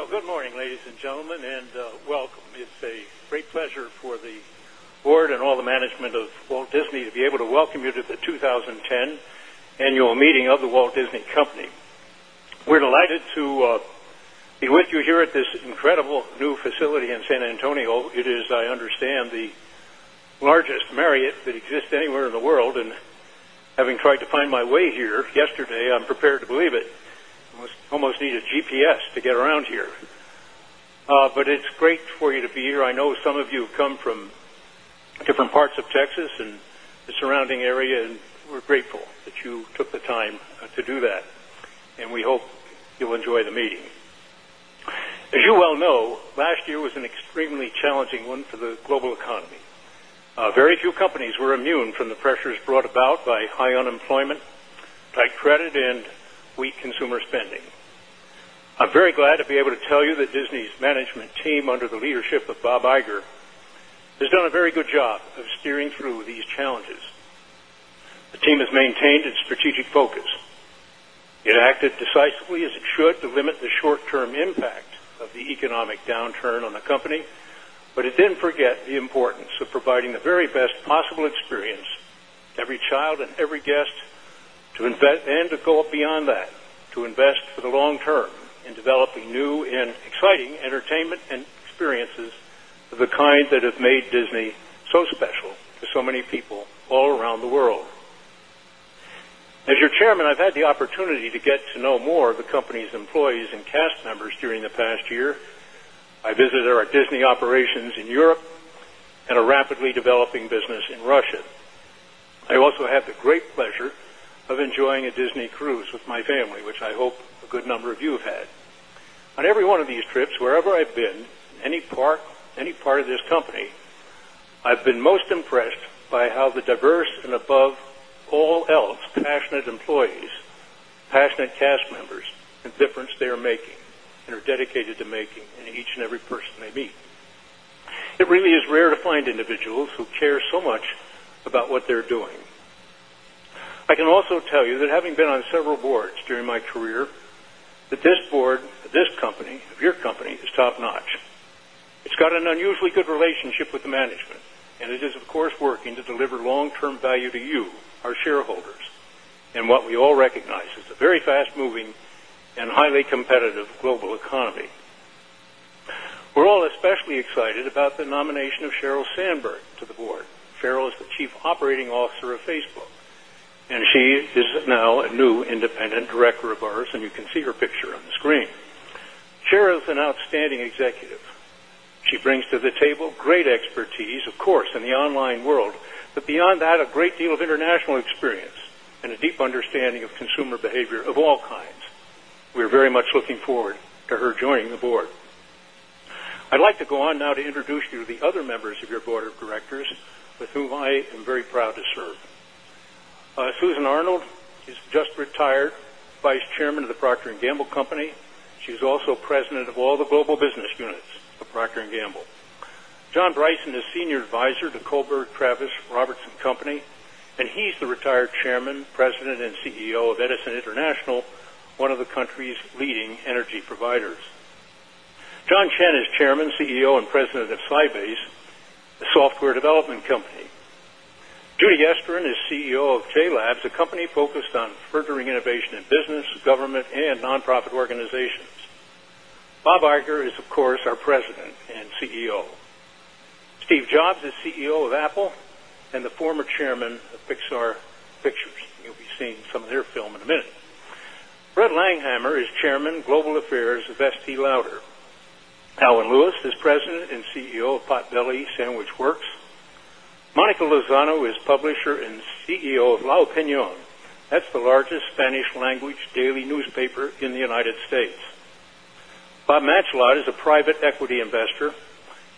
Well, good morning, ladies and gentlemen, and welcome. It's a great pleasure for the Board and all the management of Walt Disney to be able to welcome you to the 2010 Annual Meeting of the Walt Disney Company. We're delighted to be with you here at this incredible new facility in San Antonio. It is, I understand, the largest Marriott that exists anywhere in the world. And having tried to find my way here yesterday, I'm prepared to believe it, almost need a GPS to get around here. Board, but it's great for you to be here. I know some of you come from different parts of Texas and the surrounding area and we're grateful that you took the time to do that and we hope you'll enjoy the meeting. As you well know, last year was an extremely challenging one for the global economy. Very few companies were immune from the pressures brought about by high unemployment, tight credit and weak consumer spending. I'm very glad to be able to tell you that Disney's management team under the leadership of Bob Iger has done a very good job of steering through these challenges. The team has maintained its strategic focus. It acted decisively as it should to limit the short term impact of the economic downturn on the company, but it didn't forget the importance of providing the very best possible experience, every child and every guest to invest and to go beyond that to invest for the long term in developing new and exciting entertainment and experiences of the kind that have made Disney so special to so many people all around the world. As your Chairman, I've had the opportunity to get to know more of the company's employees and cast members during the last year. I visited our Disney operations in Europe and a rapidly developing business in Russia. I also have the great pleasure of enjoying a Disney cruise with my family, which I hope a good number of you have had. On every one of these trips wherever I've been, any part of this company, I've been most impressed by how the diverse and above all e. L. F. Passionate employees, passionate cast members and difference they are making and are dedicated to making in each and every person they meet. It really is rare to find individuals who care so much about what they're doing. I can also tell you that having been on several boards during my career this Board, this company, your company is top notch. It's got an unusually good relationship with the management and it is of course working to deliver long term value to you, our shareholders, and what we all recognize is a very fast moving and highly competitive global economy. We're all especially excited about the nomination of Sheryl Sandberg to the Board. Farrell as the Chief Operating Officer of Facebook. And she is now a new independent director of ours and you can see her picture on the screen. Cher is an outstanding executive. She brings to the table great expertise, of course, in the online world, but beyond that a great deal of international experience a deep understanding of consumer behavior of all kinds. We are very much looking forward to her joining the Board. I'd like to go on now to introduce you to the other members of your Board of Directors with whom I am very proud to serve. Susan Arnold, she's just retired Vice Chairman of the Procter and Gamble Company. She's also President of all the global business units of Procter and Gamble. John Bryson is Senior Advisor to Colberg Travis Robertson Company and he's the retired Chairman, President and CEO of Edison International, one of the country's leading energy providers. John Chen is Chairman, CEO and President of Slibase, a software development company. Judy Yesterin is CEO of JLABS, a company focused on furthering innovation in business, government and nonprofit organizations. Bob Ager is of course our President and CEO. Steve Jobs is CEO of Apple and the former Chairman of Pixar pictures. You'll be seeing some of their film in a minute. Brett Langhammer is Chairman, Global Affairs of ST Louder. Alan Lewis is President and CEO of Potbelly Sandwich Works. Monica Lozano is Publisher and CEO of La Opinion, that's the largest Spanish language daily newspaper in the United States. Bob Mattschlott is a private equity investor.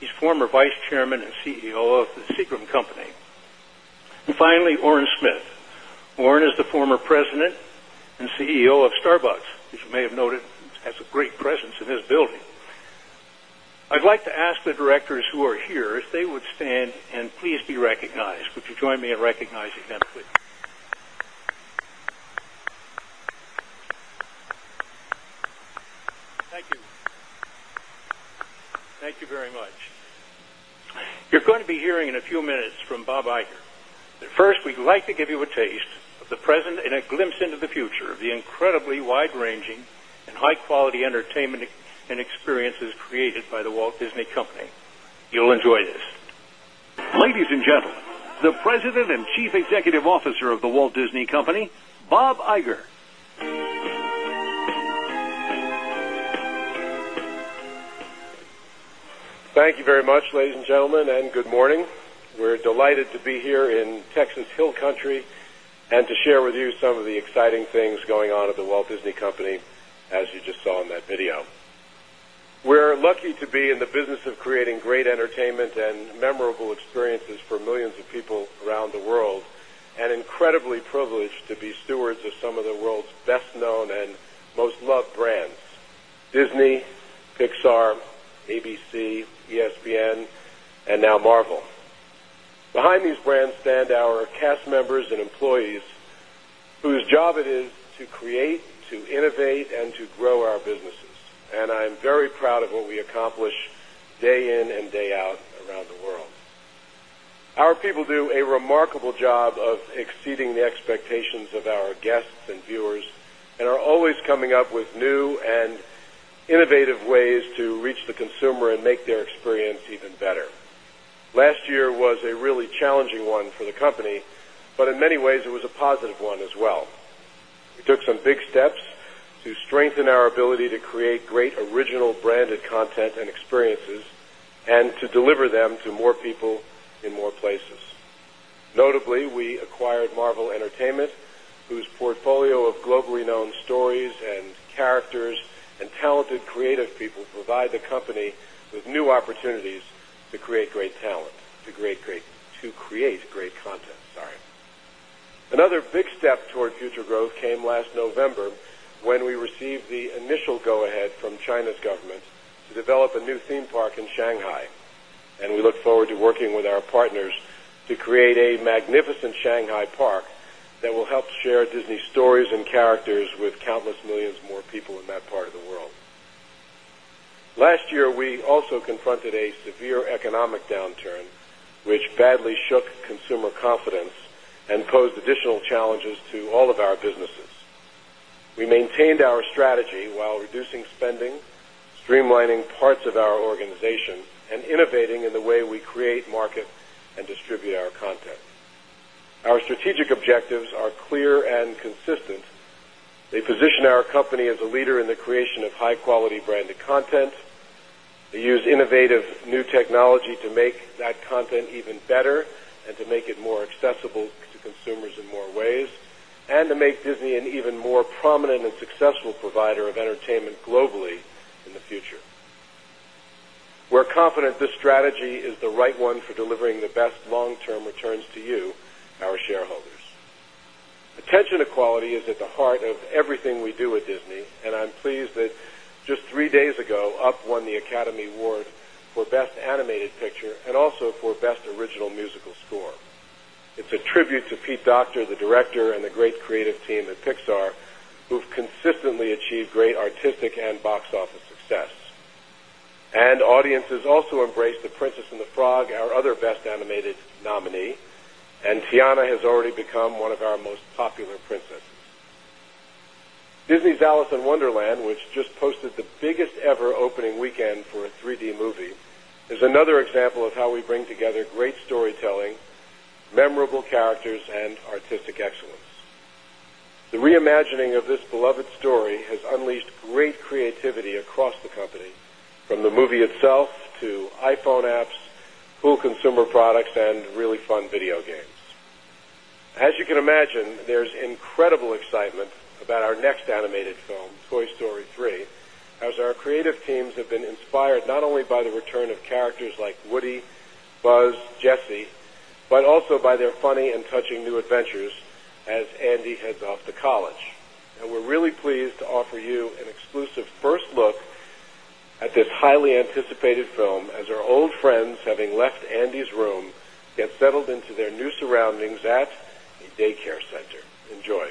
His former Vice Chairman and CEO of the Sequium Company. And finally, Oren Smith. Oren is the former President and CEO of Starbucks, as you may have noted, has a great presence in this building. I'd like to ask the directors who are here, if they would and please be recognized. Would you join me in recognizing them, please? Thank you. Thank you very much. You're going to be hearing in a few minutes from Bob Iger. Walt. First, we'd like to give you a taste of the present and a glimpse into the future of the incredibly wide ranging and high quality entertainment experiences created by the Walt Disney Company. You'll enjoy this. Ladies and gentlemen, the President and Chief Executive Officer of the Walt Disney Company, Bob Iger. Thank you very much, ladies and gentlemen, and good morning. We're delighted to be here in Texas Hill Country and to share with you some of the exciting things going on at The Walt Disney Company as you just saw in that video. We're lucky to be in the business of creating great entertainment and memorable experiences for millions of people around the world and incredibly privileged to be stewards of some of the world's best known and most loved brands, Disney, Pixar, ABC, ESPN and now Marvel. Behind these brands stand our cast members and employees Board, whose job it is to create, to innovate and to grow our businesses. And I'm very proud of what we accomplished and are always coming up with new and innovative ways to reach the consumer and make their experience even better. Last year was a really challenging one for the company, but in many ways it was a positive one as well. We took some big steps to strengthen our ability to create great original branded content and experiences and to deliver them to more people in more places. Notably, we acquired Marvel Entertainment, whose portfolio of globally known stories and characters talented creative people provide the company with new opportunities to create great talent to create great content, sorry. Another big step toward future growth came last November when we received the initial go ahead from China's government that will help share Disney stories and characters with countless millions more people in that part of the world. Last year, we also confronted a severe economic downturn, which badly shook consumer confidence and posed additional challenges to all of our businesses. In the creation of high quality branded content, to use innovative new technology to make that content even better and to make it more accessible to consumers in more ways and to make Disney an even more prominent and successful provider of entertainment globally in the future. We're confident this strategy is the right one for delivering the best long term returns to you, our shareholders. Attention to quality is at the heart of everything we do at Disney, and I'm pleased that just 3 days ago, UP won the Academy Award for Best Animated Picture and also for Best Original Musical Score. It's a tribute to Pete Docter, the Director and the great creative team at Pixar who've consistently achieved great artistic and box office success. And audiences also embrace The Princess and the Frog, our other best animated nominee And Tiana has already become one of our most popular princesses. Disney's Alice in Wonderland, which just posted the Biggest ever opening weekend for a 3 d movie is another example of how we bring together great storytelling, memorable characters and artistic excellence. The reimagining of this beloved story has unleashed great creativity across the company From the movie itself to iPhone apps, cool consumer products and really fun video games. As you can imagine, there's incredible excitement about our next animated film, Toy Story 3, as our creative teams have been inspired not only by the return of characters like Woody, Buzz, Jesse, but also by their funny and touching new adventures as Andy heads off to college. And we're really pleased to offer you an exclusive first look at this highly anticipated film as our old friends having left Andy's room to get settled into their new surroundings at a daycare center. Enjoy.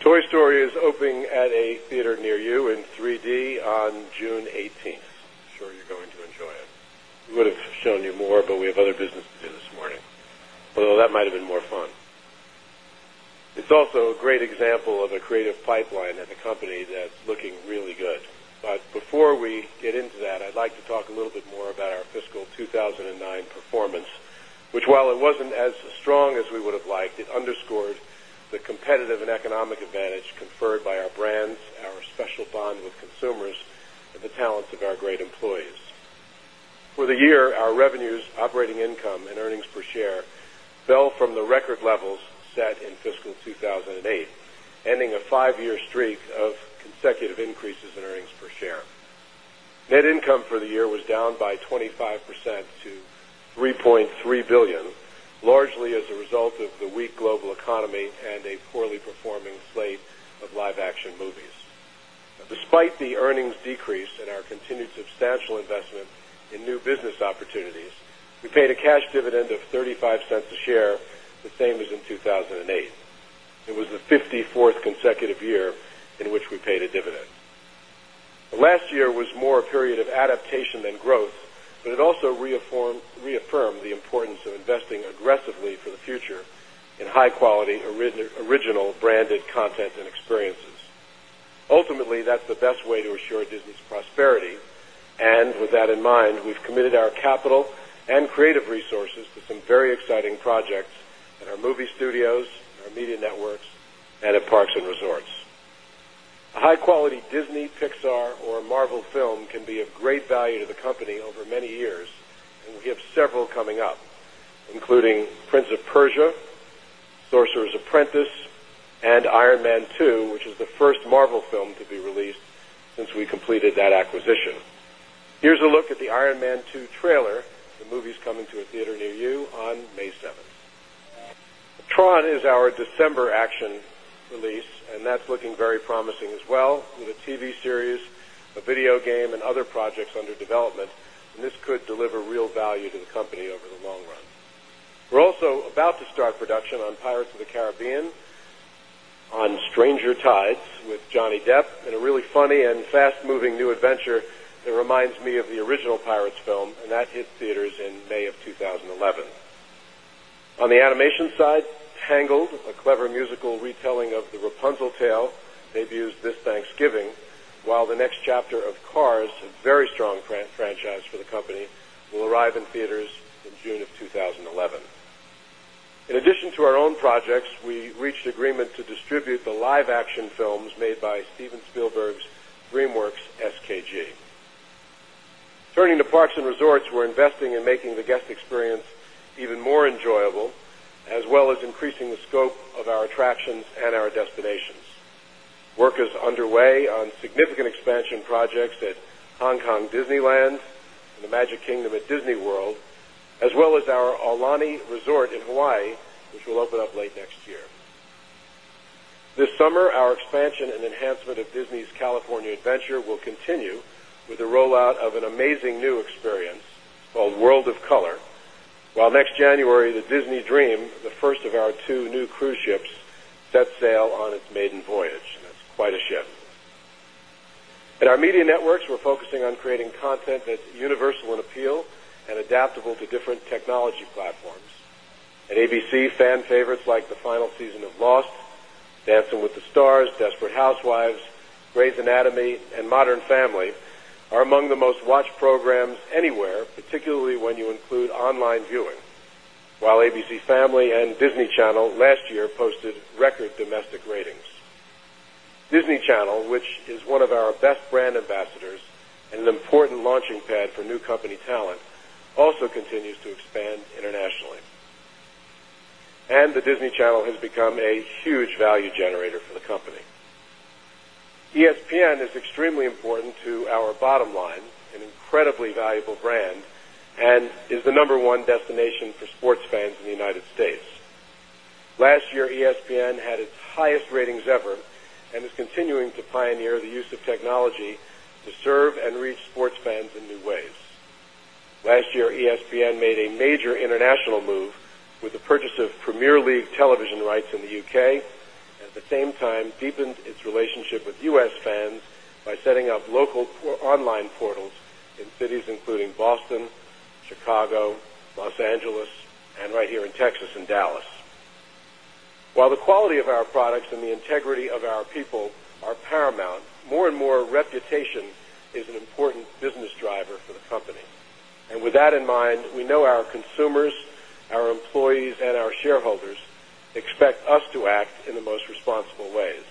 Toy Story is opening at a theater near you in 3 d on June 18th. I'm sure you're going to enjoy it. We would have shown you more, but we have other business this morning. Although that might have been more fun. It's also a great example of a creative pipeline at the company that's looking really good. Before we get into that, I'd like to talk a little bit more about our fiscal 2,009 performance, which while it wasn't as strong as we would have liked, it underscored the competitive and economic advantage conferred by our brands, our special bond with consumers and the talents of our great employees. For the year, our revenues, operating income and earnings per share fell from the record levels set in fiscal 2,008, ending a 5 year streak of consecutive increases in earnings per share. Net income for the year was down by 25% to $3,300,000,000 largely as a result of the weak global economy and a poorly performing slate of live action movies. Despite the earnings decrease and our continued substantial investment in new business opportunities, we paid a cash dividend of $0.35 a share, the same as in 2,008. It was the 54th consecutive year in which we paid a dividend. Last year was more a period of adaptation than growth, but it also reaffirmed the importance of investing aggressively for the future in high quality original branded content and experiences. Ultimately, that's the best way to assure Disney's prosperity. And with that in mind, we've committed our capital and creative resources to some very exciting projects in our movie studios, our media networks Parks and Resorts. A high quality Disney, Pixar or Marvel film can be of great value to the company over many years we have several coming up, including Prince of Persia, Sorcerer's Apprentice and Iron Man 2, which is the 1st Marvel film to be released since we completed that acquisition. Here's a look at the Iron Man 2 trailer, the movie is coming to a theater near you on May 7. Tron is our December action release and that's looking very promising as well in the TV series, the video game and other projects under development, and this could deliver real value to the company over the long run. We're also about to start production on Pirates of the Caribbean On Stranger Tides with Johnny Depp in a really funny and fast moving new adventure that reminds me of the original Pirates film and that hit theaters in May of 2011. On the animation side, Tangled, a clever musical retelling of the Rapunzel tale, they've used this Thanksgiving, while the next chapter of Cars, a very strong franchise for the company, will arrive in theaters in June of 2011. In addition to our own projects, we reached agreement to distribute the live action films made by Steven Spielberg's DreamWorks SKG. Turning to Parks and Resorts, we're investing in making the guest experience even more enjoyable as well as increasing the scope of our attractions and our destinations. Work is underway on significant expansion projects at Hong Kong Disneyland and the Magic Kingdom at Disney World as well as our Aulani Resort in Hawaii, which will open up late next year. This summer, our expansion and enhancement of Disney's California Adventure will continue with the rollout of an amazing new experience called World of Color. Well, next January, the Disney Dream, the first of our 2 new cruise ships, sets sail on its maiden voyage, and that's quite a ship. In our media networks, we're focusing on creating content that's universal in appeal and adaptable to different technology platforms. At ABC, fan favorites like the final season of Lost, Dancing With the Stars, Desperate Housewives, Grey's Anatomy and Modern Family Disney Channel, which is one of our best brand ambassadors and an important launching pad for new company talent, also continues to expand internationally. And the Disney Channel has become a huge value generator for the company. ESPN is extremely important to our bottom line, an incredibly valuable brand and is the number one destination for sports fans in the United States. Last year, ESPN had its highest ratings ever and is continuing to pioneer the use of technology purchase of Premier League Television rights in the U. K. And at the same time deepened its relationship with U. S. Fans by setting up local online portals cities including Boston, Chicago, Los Angeles and right here in Texas and Dallas. While the quality of our products and the integrity of our people are paramount, more and more reputation is an important business driver for the company. And with that in mind, we know our consumers, our employees and our shareholders expect us to act in the most responsible ways.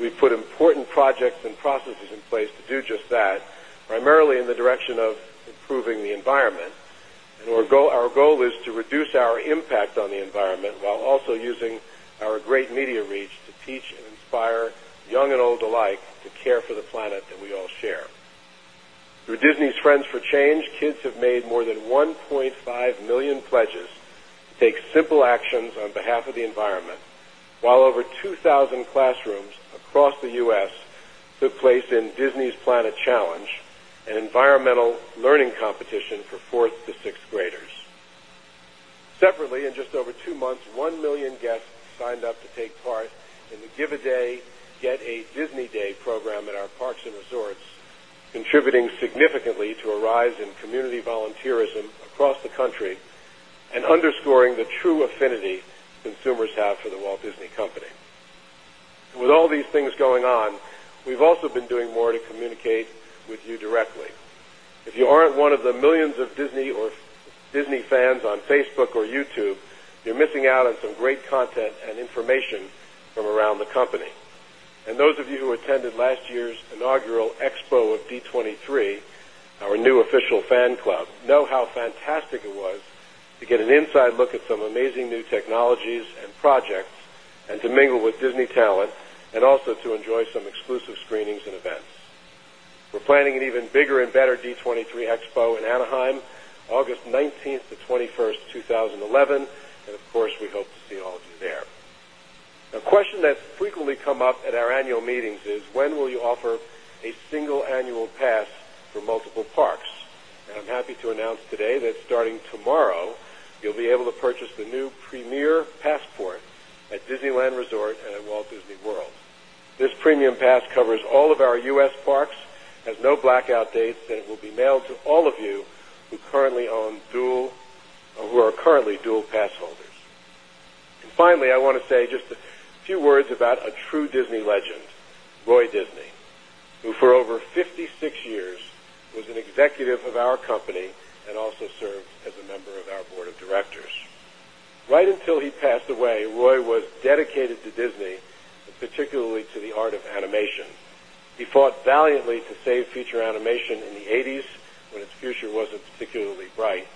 We put important projects and processes in place to do just that, primarily in the direction of improving the environment. Our goal is to reduce our impact on the environment while also using our great media reach to teach and inspire young and old alike to care for the planet that we all share. Through Disney's Friends for Change, kids have made more than 1,500,000 pledges an environmental learning competition for 4th to 6th graders. Separately, in just over 2 months, 1,000,000 guests signed up to take part Give a Day, Get a Disney Day program at our parks and resorts, contributing significantly to a rise in community volunteerism across the country we've also been doing more to communicate with you directly. If you aren't one of the millions of Disney or Disney fans on Facebook or YouTube, you're You're missing out on some great content and information from around the company. And those of you who attended last year's inaugural expo of D23, our new official fan club know how fantastic it was to get an inside look at some amazing new technologies and projects and and also to enjoy some exclusive screenings and events. We're planning an even bigger and better D23 Expo in Anaheim, August 19 to 21, 2011. And of course, we hope to see all of you there. A question that's frequently come up at our annual meetings is when will you offer a single annual pass for multiple parks. And I'm happy to announce today that starting tomorrow, you'll be able to the new premier passport at Disneyland Resort and at Walt Disney World. This premium pass covers all of our U. S. Parks, has no blackout date, then it will be mailed to all of you who currently own dual or who are currently dual pass holders. And finally, I want to say just a few words about a true Disney legend, Roy Disney, who for over 56 years was an executive of our company and also served as a member of our Board of Directors. Right until he passed away, Roy was dedicated to Disney, particularly to the art of animation. He fought valiantly to save feature animation in the '80s when its future wasn't particularly bright.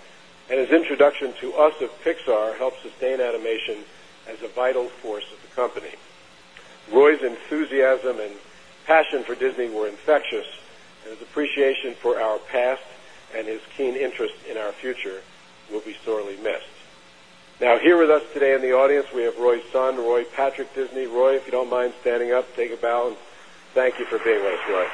And his introduction to us of Pixar helped sustain animation as a vital force of the company. Roy's enthusiasm and passion for Disney were infectious and his appreciation for our past and his keen interest in our future will be sorely missed. Now here with us today in the audience, we have Roy Sun, Roy, Patrick Disney. Roy, if you don't mind standing up, taking a balance. Thank you for being with us, Roy.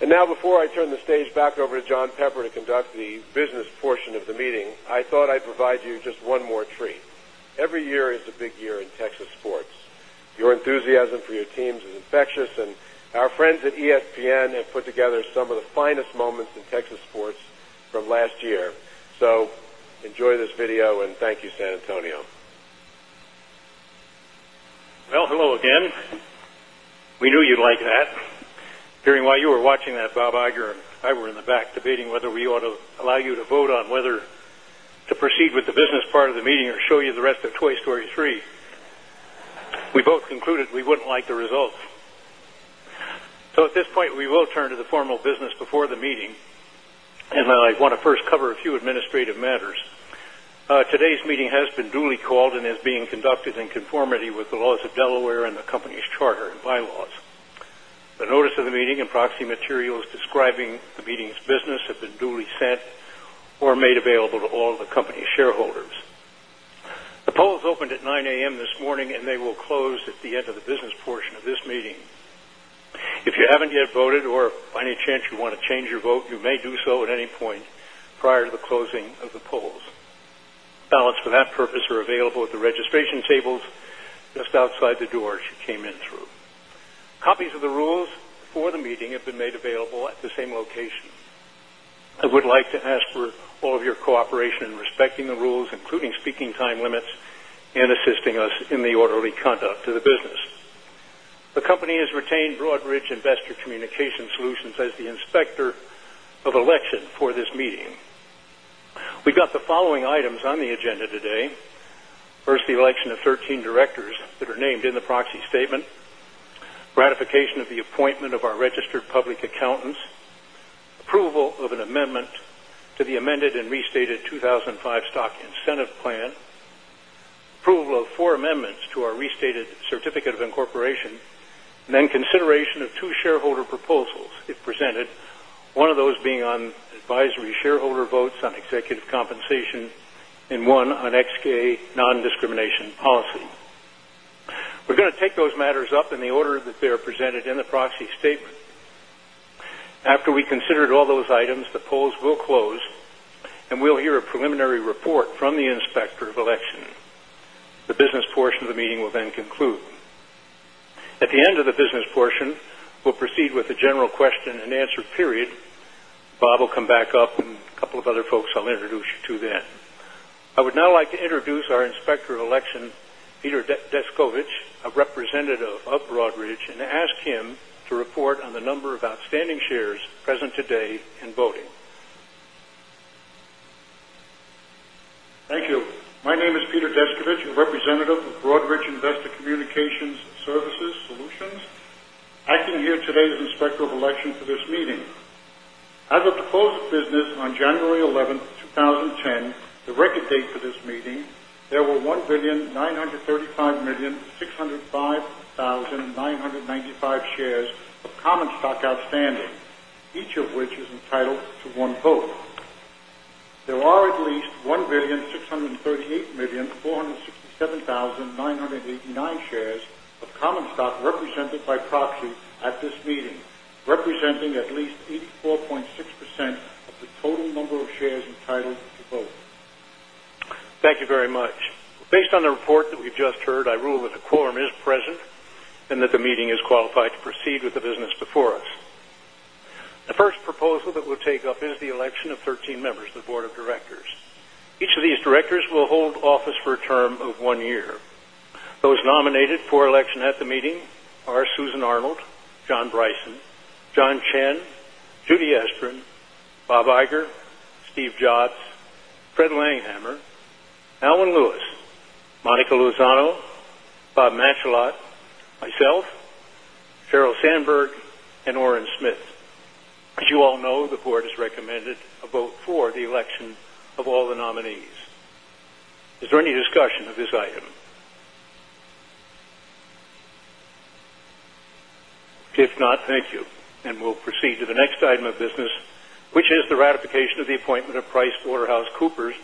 And now before I turn the stage back over to John Pepper to conduct the business portion of the meeting, I thought I'd provide you just one more treat. Every year is a big year in Texas sports. Your enthusiasm for your teams is infectious and our friends at ESPN have put together some of the finest moments in Texas Boards from last year. So enjoy this video and thank you, San Antonio. Well, hello again. We knew you'd like that. Hearing while you were watching that Bob Iger and I were in the back debating whether we ought to allow you to vote on whether to to proceed with the business part of the meeting or show you the rest of Toy Story 3. We both concluded we wouldn't like the results. So so at this point, we will turn to the formal business before the meeting. And I want to first cover a few administrative matters. Today's meeting has been duly called and is being conducted in conformity with the laws of Delaware and the company's charter and bylaws. The notice of the meeting and proxy materials describing the meeting's business have been duly sent or made available to all the company shareholders. You have voted or by any chance you want to change your vote, you may do so at any point prior to the closing of the polls. Balance for that purpose are available at the registration tables just outside the door she came in through. Copies of the rules for the meeting have been made available at the same location. I would like to ask for all of your cooperation in respecting the rules, including speaking time limits and assisting us in the orderly conduct of the business. The company has retained Broadridge Investor Communications Solutions as the Inspector of election for this meeting. We've got the following items on the agenda today. First, the election of 13 directors that are named in the proxy statement, ratification of the appointment of our registered public accountants, approval of an amendment to the amended the 2,005 stock incentive plan, approval of 4 amendments to our restated certificate of incorporation, then consideration of 2 shareholder proposals if presented, one of those being on advisory shareholder votes on executive compensation in 1 on XK non discrimination policy. We're going to take those matters up in the order that they are presented in the proxy statement. After we considered all those items, the polls will close and we'll hear a preliminary report from the Inspector of Election. The business portion of the meeting will then conclude. At the end of the business portion, we'll proceed with a general question and answer period. Bob Bob will come back up and a couple of other folks I'll introduce you to then. I would now like to introduce our Inspector of Election, Peter Daskovich, a representative of Broadridge and ask him to report on the number of outstanding shares present today in voting. Thank you. My name is Peter Dziskovich, a representative of Broadridge Investor Communications Services Solutions, acting here today's Inspector of Election for this meeting. As of the close of business on January 11, 2010, the record date for this meeting, There were 1,935,000,009195 shares of common stock outstanding, each of which is entitled to one vote. There are at least 1,638,000,000,004 7,989 shares of common stock represented by proxy at this meeting, representing at least 84.6% the total number of shares entitled to both. Thank you very much. Based on the report that we've just heard, I rule that the quorum is present and that the meeting is qualified to proceed with the business before us. The first proposal that we'll take up is the election of 13 members, the Board of Directors. Each of these directors will hold office for a term of 1 year. Those nominated for election at the meeting are Susan Arnold, John Bryson, John Chen, Judy Estrin, Bob Iger, Steve Jobs, Fred Langhammer, Alan Lewis, Monica Luzano, Bob Machalot, myself, Sheryl Sandberg and Oren Smith. As you all know, the Board has recommended a vote for the election of all the nominees. Is there any discussion of this item? If not, thank you. And we'll proceed to the next item of business, which is the ratification of the appointment of PricewaterhouseCoopers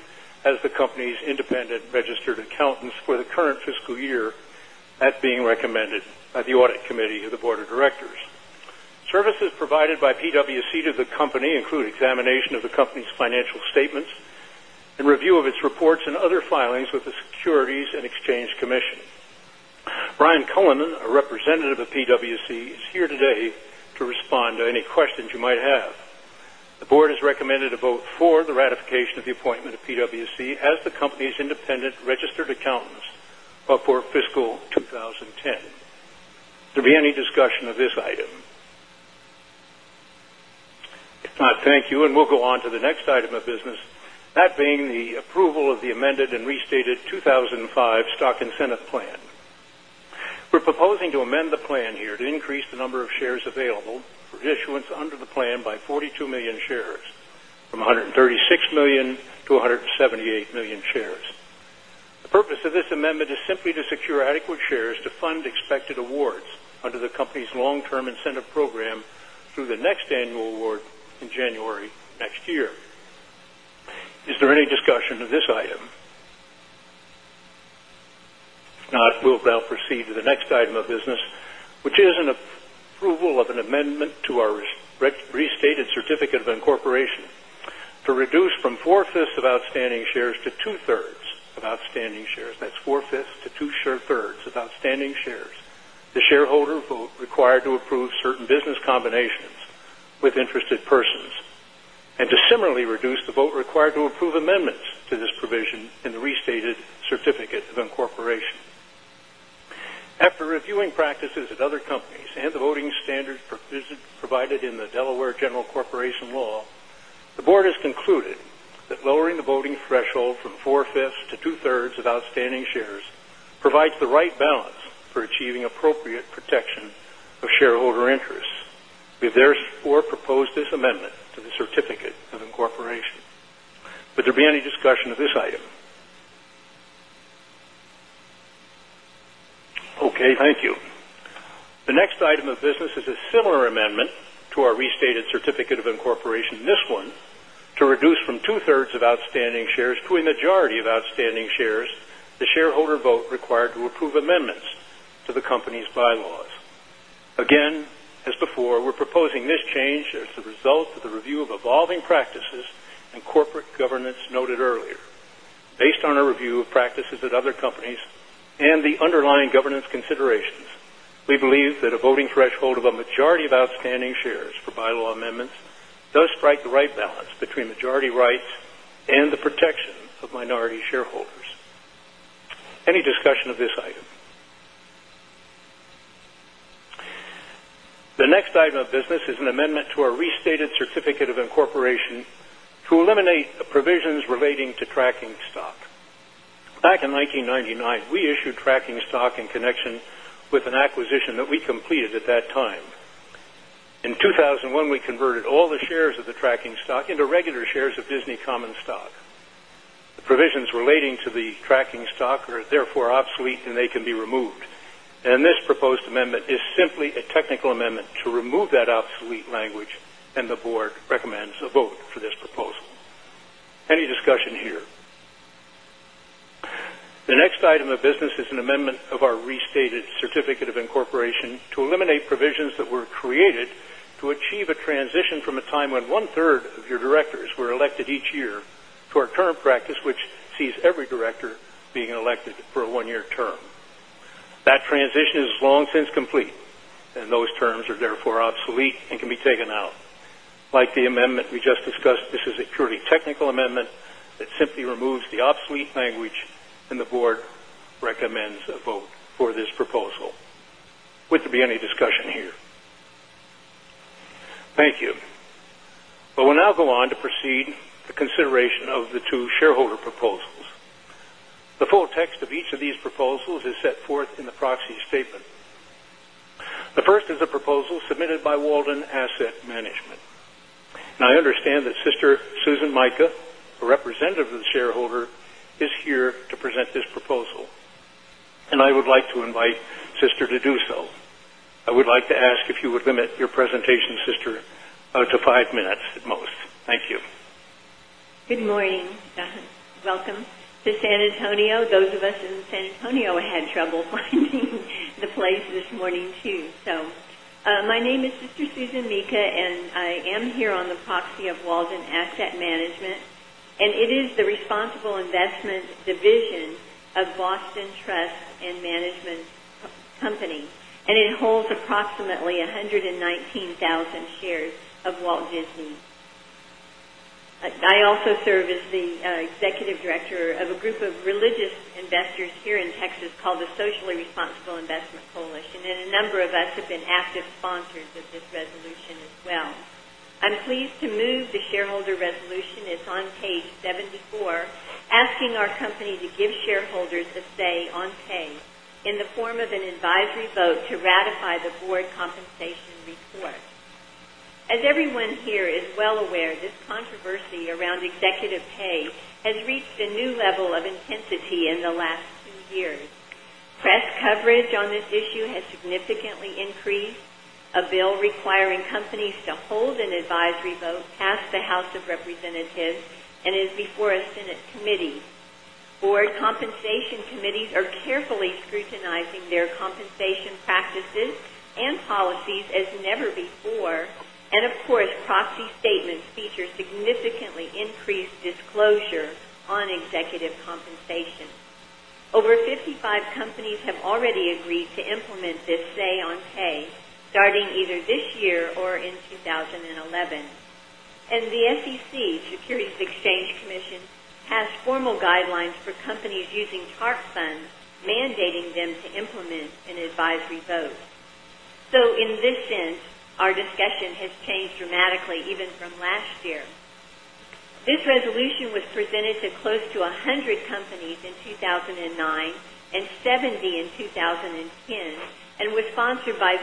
as the company's independent registered accountants for the current fiscal year that being recommended by the Audit Committee of the Board of Directors. Services provided by PwC to the company include examination of the company's financial statements and review of its reports and other filings with the Securities and Exchange Commission. Brian Cullinan, a representative of PwC is here today to respond to any questions you might have. The Board has recommended a vote for the ratification of the appointment of PwC as the company's independent registered accountants for fiscal 2010. There'll be any discussion of this item. Thank you. And we'll go on to the next item of business, that being the approval of the amended and restated 2,005 stock incentive plan. We're proposing to amend the plan here to increase the number of shares available for issuance under the plan by 42,000,000 shares from 136,000,000 to 178,000,000 shares. The purpose of this amendment is simply to secure adequate shares to fund expected awards the company's long term incentive program through the next annual award in January next year. Which is an approval of an amendment to our restated certificate of incorporation to reduce from 4 5ths of outstanding shares to 2 outstanding shares, that's 4 5th to 2 thirds of outstanding shares, the shareholder vote required to approve certain business combinations with interested persons and to similarly reduce the vote required to approve amendments to this provision in the restated certificate of incorporation. After reviewing practices at other companies and the voting standards provided in the Delaware General Corporation Law, the Board has concluded that lowering the voting threshold from 4 5ths to 2 thirds of outstanding shares provides the right balance for achieving appropriate protection shareholder interests. We therefore proposed this amendment to the certificate of incorporation. Would there be any discussion of this item? Okay. Thank you. The next item of business is a similar amendment to our certificate of incorporation in this one to reduce from 2 thirds of outstanding shares to a majority of outstanding shares, the the shareholder vote required to approve amendments to the company's bylaws. Again, as before, we're proposing this change as a result the review of evolving practices and corporate governance noted earlier. Based on our review of practices at other companies and the underlying governance considerations. We believe that a voting threshold of a majority of outstanding shares for bylaw amendments those strike the right balance between majority rights and the protection of minority shareholders. Any discussion of this item? To eliminate the provisions relating to tracking stock. Back in 1999, we issued tracking stock in connection with an acquisition that we completed at that time. In 2001, we converted all the shares of the tracking stock into regular shares of Disney common stock. The provisions relating to the tracking stock or therefore obsolete and they can be removed. And this proposed amendment is simply a technical amendment to remove that Oli language and the Board recommends a vote for this proposal. Any discussion here? The next item of business is an amendment of our restated certificate of incorporation to eliminate provisions that were created to achieve a transition from a time when 1 third of your directors were elected each year to our current practice, which sees every director being elected for a 1 year term. That transition is long since complete and those terms are therefore obsolete and can be taken out. Like the amendment we just discussed, this is a purely O'Thinkle amendment that simply removes the obsolete language and the Board recommends a vote for this proposal. Would there be any discussion here? Thank you. I will now go on to proceed the consideration of the 2 shareholder proposals. The full text of each of these proposals is set forth in the proxy statement. The first is a proposal submitted by Walden Asset Management. And I understand that Sister Susan Micah, a representative of the shareholder is here to present this proposal. And I would like to invite Sister to do so. I would like to ask if you would limit your presentation Sister to 5 minutes at most. Thank you. Good morning, John. Welcome to San Antonio. Those of us in San Antonio had trouble finding the place this morning too. So My name is Mr. Susan Mika, and I am here on the proxy of Walden Asset Management. And it is the responsible investment division Boston Trust and Management Company, and it holds approximately 119,000 shares of Walt Disney. I also serve as the Executive Director of a group of religious investors here in Texas Called the socially responsible investment coalition and a number of us have been active sponsors of this resolution as well. I'm pleased to move the shareholder resolution, it's on Page 74, asking our company to give shareholders a say on page In the form of an advisory vote to ratify the Board compensation report. As everyone here is well aware, this Controversy around executive pay has reached a new level of intensity in the last 2 years. Press coverage on this issue has significantly increased a bill requiring companies to hold an advisory vote passed the House of Representatives and is before a Senate committee. Board compensation committees are carefully scrutinizing their compensation practices and policies as never before. And of course, proxy statements feature significantly increased disclosure on executive compensation. Over 55 companies have already agreed to implement this say on pay starting either this year or in 2011. And the SEC Securities and Exchange Commission has formal guidelines for companies using TARP funds mandating them to implement an advisory vote. So in this sense, our discussion has changed dramatically even from last year. This resolution was presented to close to 100 companies in 2,00970 in 2010 And we're sponsored by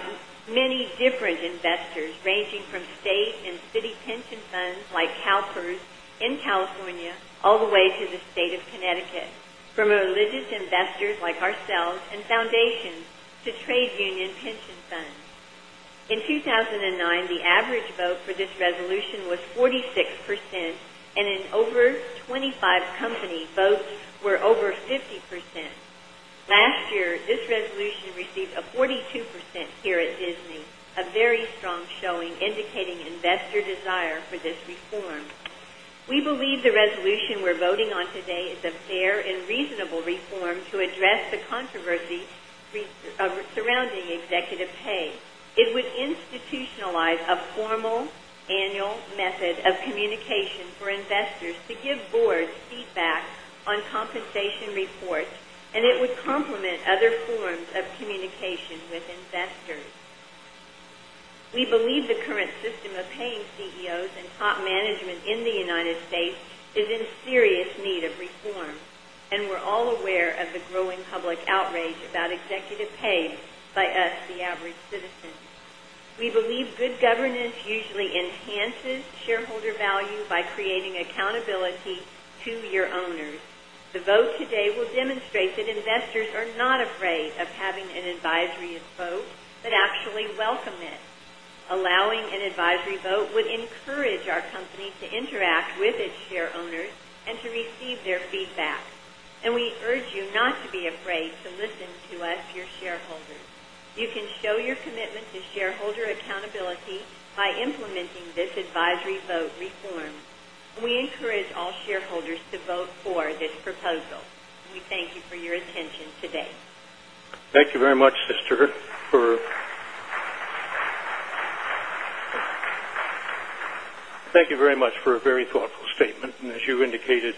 many different investors ranging from state and city pension funds like CalPERS in California all the way to the state of Connecticut from religious investors like ourselves and foundations to trade union pension funds. In 2,009, the average vote for this resolution was 46% and in over 25 company votes were over 50%. Last year, this resolution received a 42% here at Disney, a very strong showing indicating investor desire for this reform. We believe the resolution we're voting on today is a fair and reasonable reform to address the controversy surrounding executive pay. It would institutionalize a formal annual method of communication for investors To give Board feedback on compensation reports and it would complement other forms of communication with investors. We believe the current system of paying CEOs and top management in the United States is in serious need of reform, And we're all aware of the growing public outrage about executive pay by us, the average citizen. We believe good governance usually enhances shareholder value by creating accountability to your owners. The vote today will demonstrate that investors are not afraid of having an advisory vote, but actually welcome it. Allowing an advisory vote would encourage our company to interact with its share owners and to receive their feedback. And we urge you not to be afraid to listen to us, your shareholders. You can show your commitment to shareholder accountability By implementing this advisory vote reform, we encourage all shareholders to vote for this proposal. We thank you for your attention today. Thank you very much, Mr. For a very thoughtful statement. And as you indicated,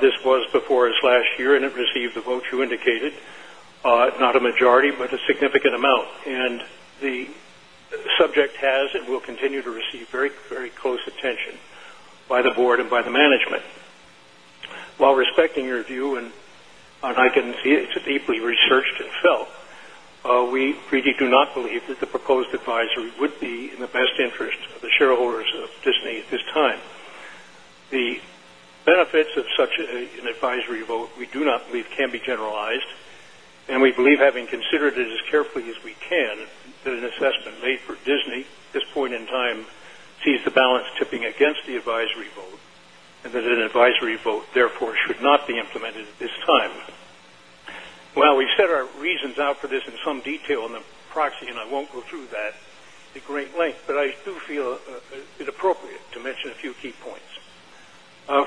this was before us last year and it received the votes you indicated, not a majority, but a significant amount. And the subject has and will continue to receive very, very close attention by the Board and by the management. While respecting your view and I can see it's a deeply researched and felt, we really do believe that the proposed advisory would be in the best interest of the shareholders of Disney at this time. The benefits of such an advisory vote, we do not believe can be generalized. And we believe having considered it as carefully as we can, that an assessment made for Disney, this point in time sees the balance tipping against the advisory vote and that an advisory vote therefore should not be implemented at this time. Well, we set our reasons out for this in some detail in the proxy and I won't go through that at great length, but I do feel it appropriate to mention a few key points.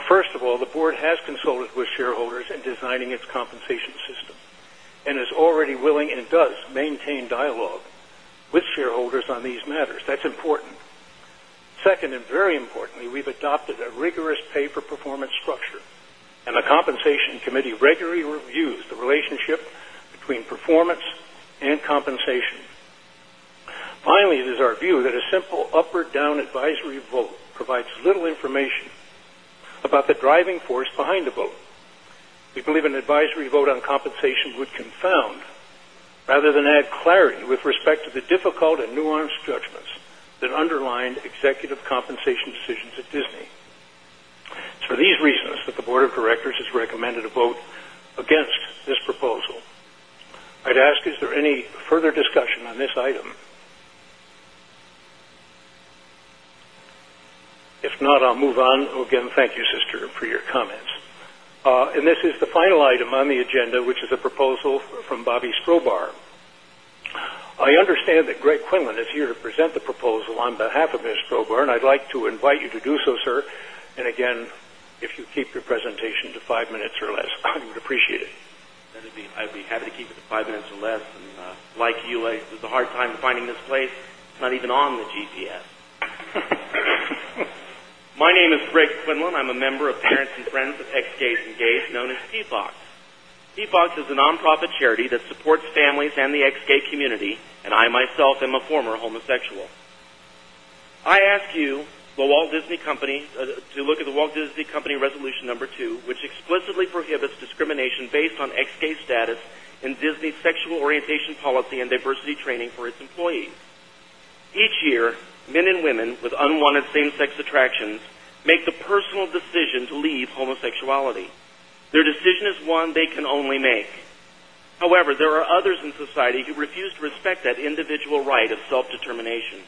First of all, the Board has consulted with shareholders in designing its compensation system and is already willing and does maintain dialogue with shareholders on these matters. That's important. 2nd and very importantly, we've adopted a rigorous pay for performance structure and the compensation committee regularly reviews the relationship between performance and compensation. Finally, it is our view that a simple up or down advisory vote provides little information about the driving force behind the vote. We we believe an advisory vote on compensation would confound rather than add clarity with respect to the difficult and nuanced judgments an underlying executive compensation decisions at Disney. For these reasons that the Board of Directors has recommended a vote against this proposal, If not, I'll move on. Again, thank you, Sister, for your comments. And this is the final item on the agenda, which is a proposal from Bobby Strobar. I understand that Greg Quinlan is here to present the proposal on behalf of Ms. Stroborn. I'd like to invite you to do so, sir. And again, if you keep your presentation to 5 minutes or less, I would appreciate it. I'd be happy to keep it to 5 minutes or less. And like you, it was a hard time finding this place, not even on the GPS. My name is Rick Quinlan. I'm a member of Parents and Friends of Ex Gays Engage known as SpeedBox. Tea Box is a non profit charity that supports families and the ex gay community and I myself am a former homosexual. I ask you, The Walt Disney Company, to look at The Walt Disney Company Resolution Number 2, which explicitly prohibits discrimination based on ex gay status in Disney's sexual orientation policy and diversity training for its employees. Each year, men and women with unwanted same sex attractions respect that individual right of self determination.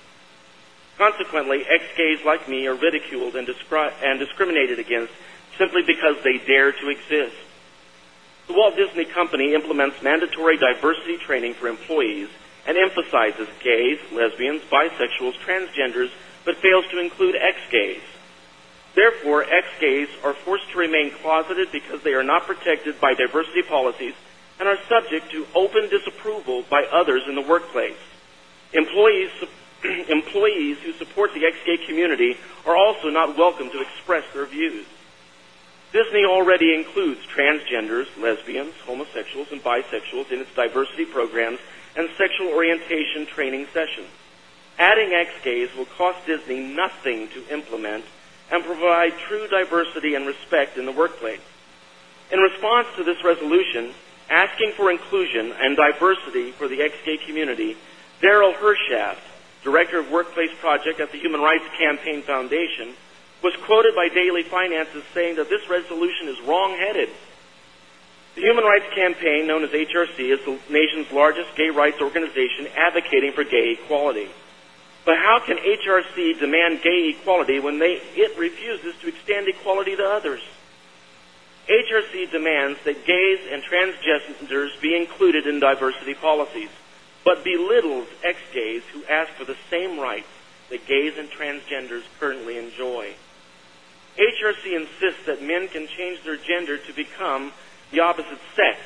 Consequently, ex gays like me are ridiculed and discriminated against simply because they dare to exist. The Walt Disney Company implements mandatory diversity training for employees to remain positive because they are not protected by diversity policies and are subject to open disapproval by others in the workplace. Employees who support the ex gay community are also not welcome to express their views. Disney already includes transgenders, lesbians, homosexuals and bisexuals in its diversity programs and sexual orientation training session. Adding ex gays will cost Disney nothing to implement and provide true diversity and respect in the workplace. In response to this resolution, asking for inclusion and diversity for the ex gay community, Darryl Hirschhaft, Director of Workplace Project at the Human Rights Campaign Foundation, was quoted by Daily Finance as saying that this resolution is wrong headed. The Human Rights Campaign known as HRC is the nation's largest gay rights organization advocating for gay equality. But how can HRC demand gay equality when they it refuses to extend equality to others? HRC demands that gays and transgenders be included in diversity policies, but belittles ex gays who ask for the same rights the gays and transgenders currently enjoy. HRC insists that men can change their gender to become the opposite sex,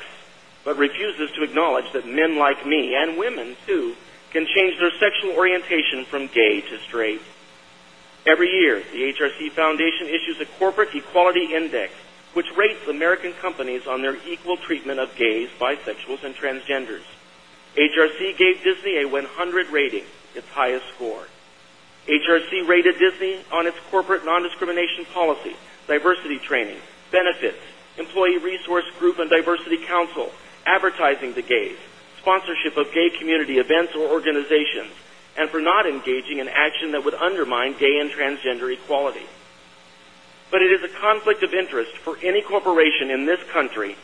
Every year, the HRC Foundation issues a corporate equality index, which rates American companies on their equal treatment of gays, bisexuals and transgenders. HRC gave Disney a 100 rating, its highest score. HRC rated Disney on its corporate nondiscrimination policy, diversity training, benefits, employee resource group and diversity council, advertising the gays, sponsorship of gay community events or organizations and for not engaging in action that would undermine gay and transgender equality. But it is a conflict of interest for any corporation in this country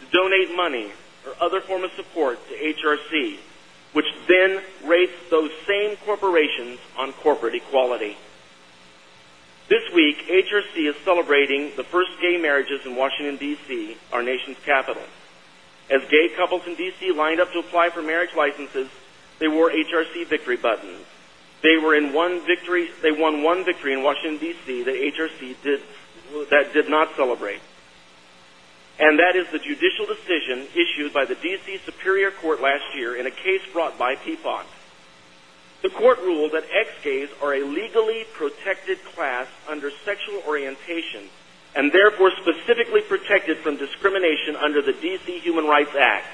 to donate money or other form of support to HRC, which then rates those same corporations on corporate equality. This week HRC is celebrating the 1st gay marriages in Washington DC, our nation's capital. As gay couples in DC lined up to apply for marriage licenses, they wore HRC victory buttons. They were in one victory they won one victory in Washington DC that HRC did that did not celebrate. Discrimination under the D. C. Human Rights Act.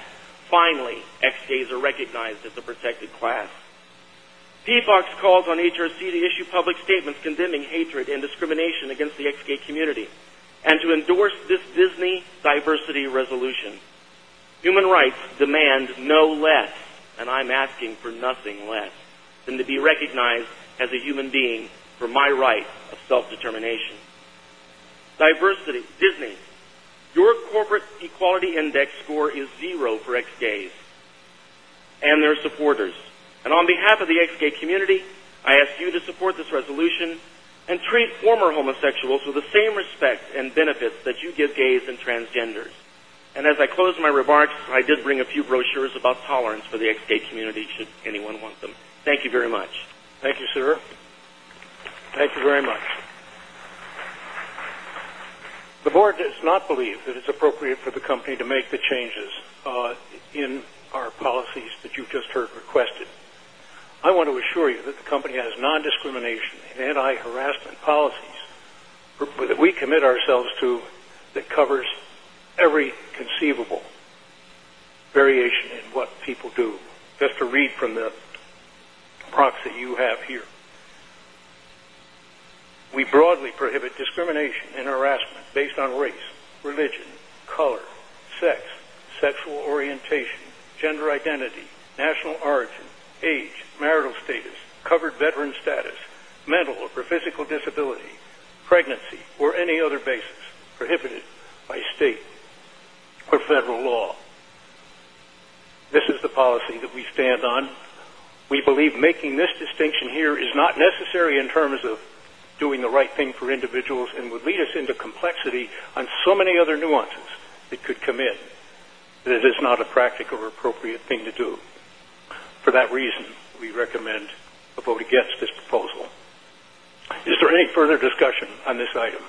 Finally, ex gays are recognized as a protected class. P Fox calls on HRC to issue statements condemning hatred and discrimination against the ex gay community and to endorse this Disney diversity resolution. Human rights demand no less and I'm asking for nothing less than to be recognized as a human being for my right of self determination. Diversity. Disney, your Corporate Equality Index score is 0 for XKs and their supporters. And on behalf of the ex gay community, I ask you to support this resolution and treat former homosexuals with the same respect and benefits that you give gays and transgenders. And as I close my remarks, I did bring a few brochures about tolerance for the XK community should anyone want them. Thank you very much. Thank you, Suhir. Thank you very much. The Board does not believe that it's appropriate for the company to make the changes in our policies that you've just heard requested. I want to assure you that the company has non discrimination and anti harassment policies what we commit ourselves to that covers every conceivable variation in what people do, just to read from the proxy you have here. We broadly prohibit discrimination and harassment based on race, religion, color, sex, sexual orientation, gender identity, national origin, age, marital status, covered veteran status, mental or physical disability, pregnancy or any other basis prohibited by state or federal law. This is the policy that we stand on. We believe making this distinction here is not necessary in terms of doing the right thing for individuals and would lead us into complexity on so many other nuances that could come in. This is not a practical or appropriate thing to do. For that reason, we recommend before we get this proposal. Is there any further discussion on this item?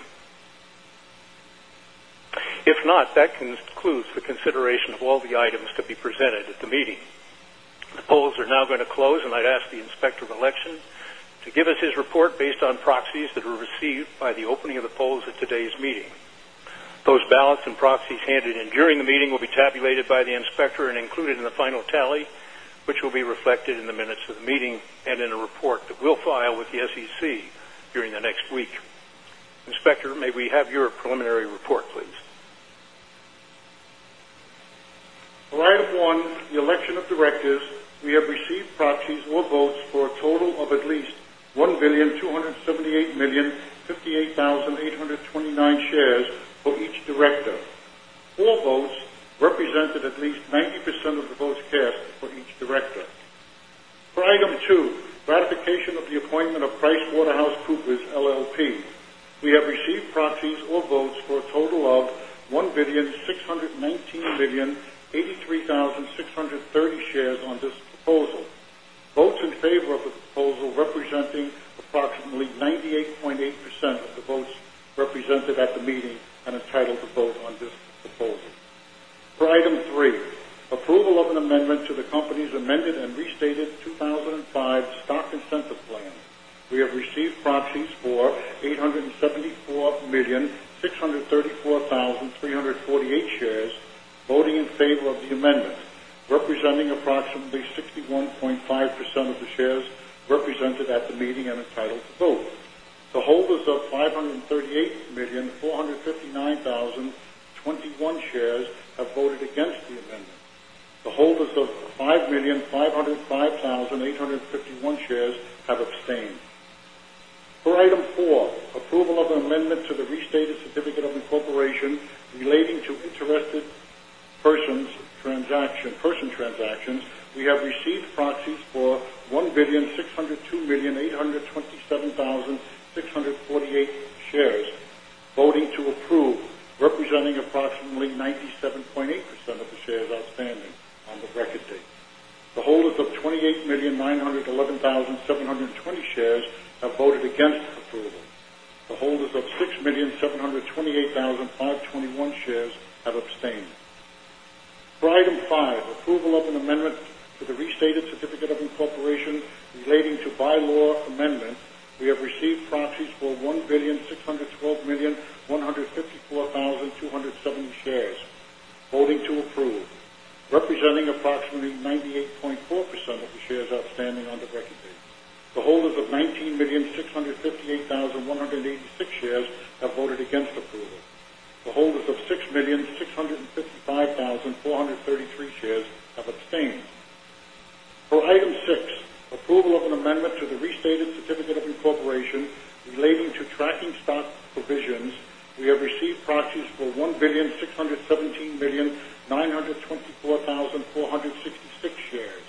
Holes are now going to close and I'd ask the Inspector of Election to give us his report based on proxies that were received by the opening of the polls at today's meeting. Those balance and proxies handed in during the meeting will be tabulated by the inspector and included in the final tally, which will be reflected in the minutes of the meeting and in a report that we'll file with the SEC during the next week. Inspector, may we have your preliminary report, please? Right of 1, the election of directors, we have received proxies or votes for a total of at least 1,278,000,000, 58,829 shares for each director. All votes represented at least 90% of the votes cast for each director. For item 2, ratification of the appointment of Price Waterhouse Coopers LLP. We have received proxies or votes for a total of 1,619,083,630 shares on this proposal, votes in favor of the proposal representing approximately 98.8 percent of the votes represented at the meeting and entitled to vote on this proposal. For item 3, approval of an amendment to the company's amended and restated 2,005 stock incentive plan. We have received proxies for 874,634,348 shares voting in favor of the amendment representing approximately 61.5 percent of the shares represented at the meeting and entitled to both. The holders of 538,459,021 shares have voted against the amendment. The holders of 5,505,851 shares have abstained. Item 4, approval of amendment to the restated certificate of incorporation relating to interested persons transaction person transactions, We have received proxies for 1,602,827,648 shares voting to approve representing approximately 97.8% of the shares outstanding on the record date. 128,521 shares have abstained. Item 5, approval of an amendment the restated certificate of incorporation relating to by law amendment, we have received proxies for 1,612,150 1270 shares holding to approve, representing approximately 98.4% of the shares outstanding on the record date. The holders of 19,658,186 shares have voted against approval. The holders of 6,600 55,433 shares have abstained. For item 6, approval of an amendment to the restated certificate of incorporation Relating to tracking stock provisions, we have received proxies for 1,617,924,466 shares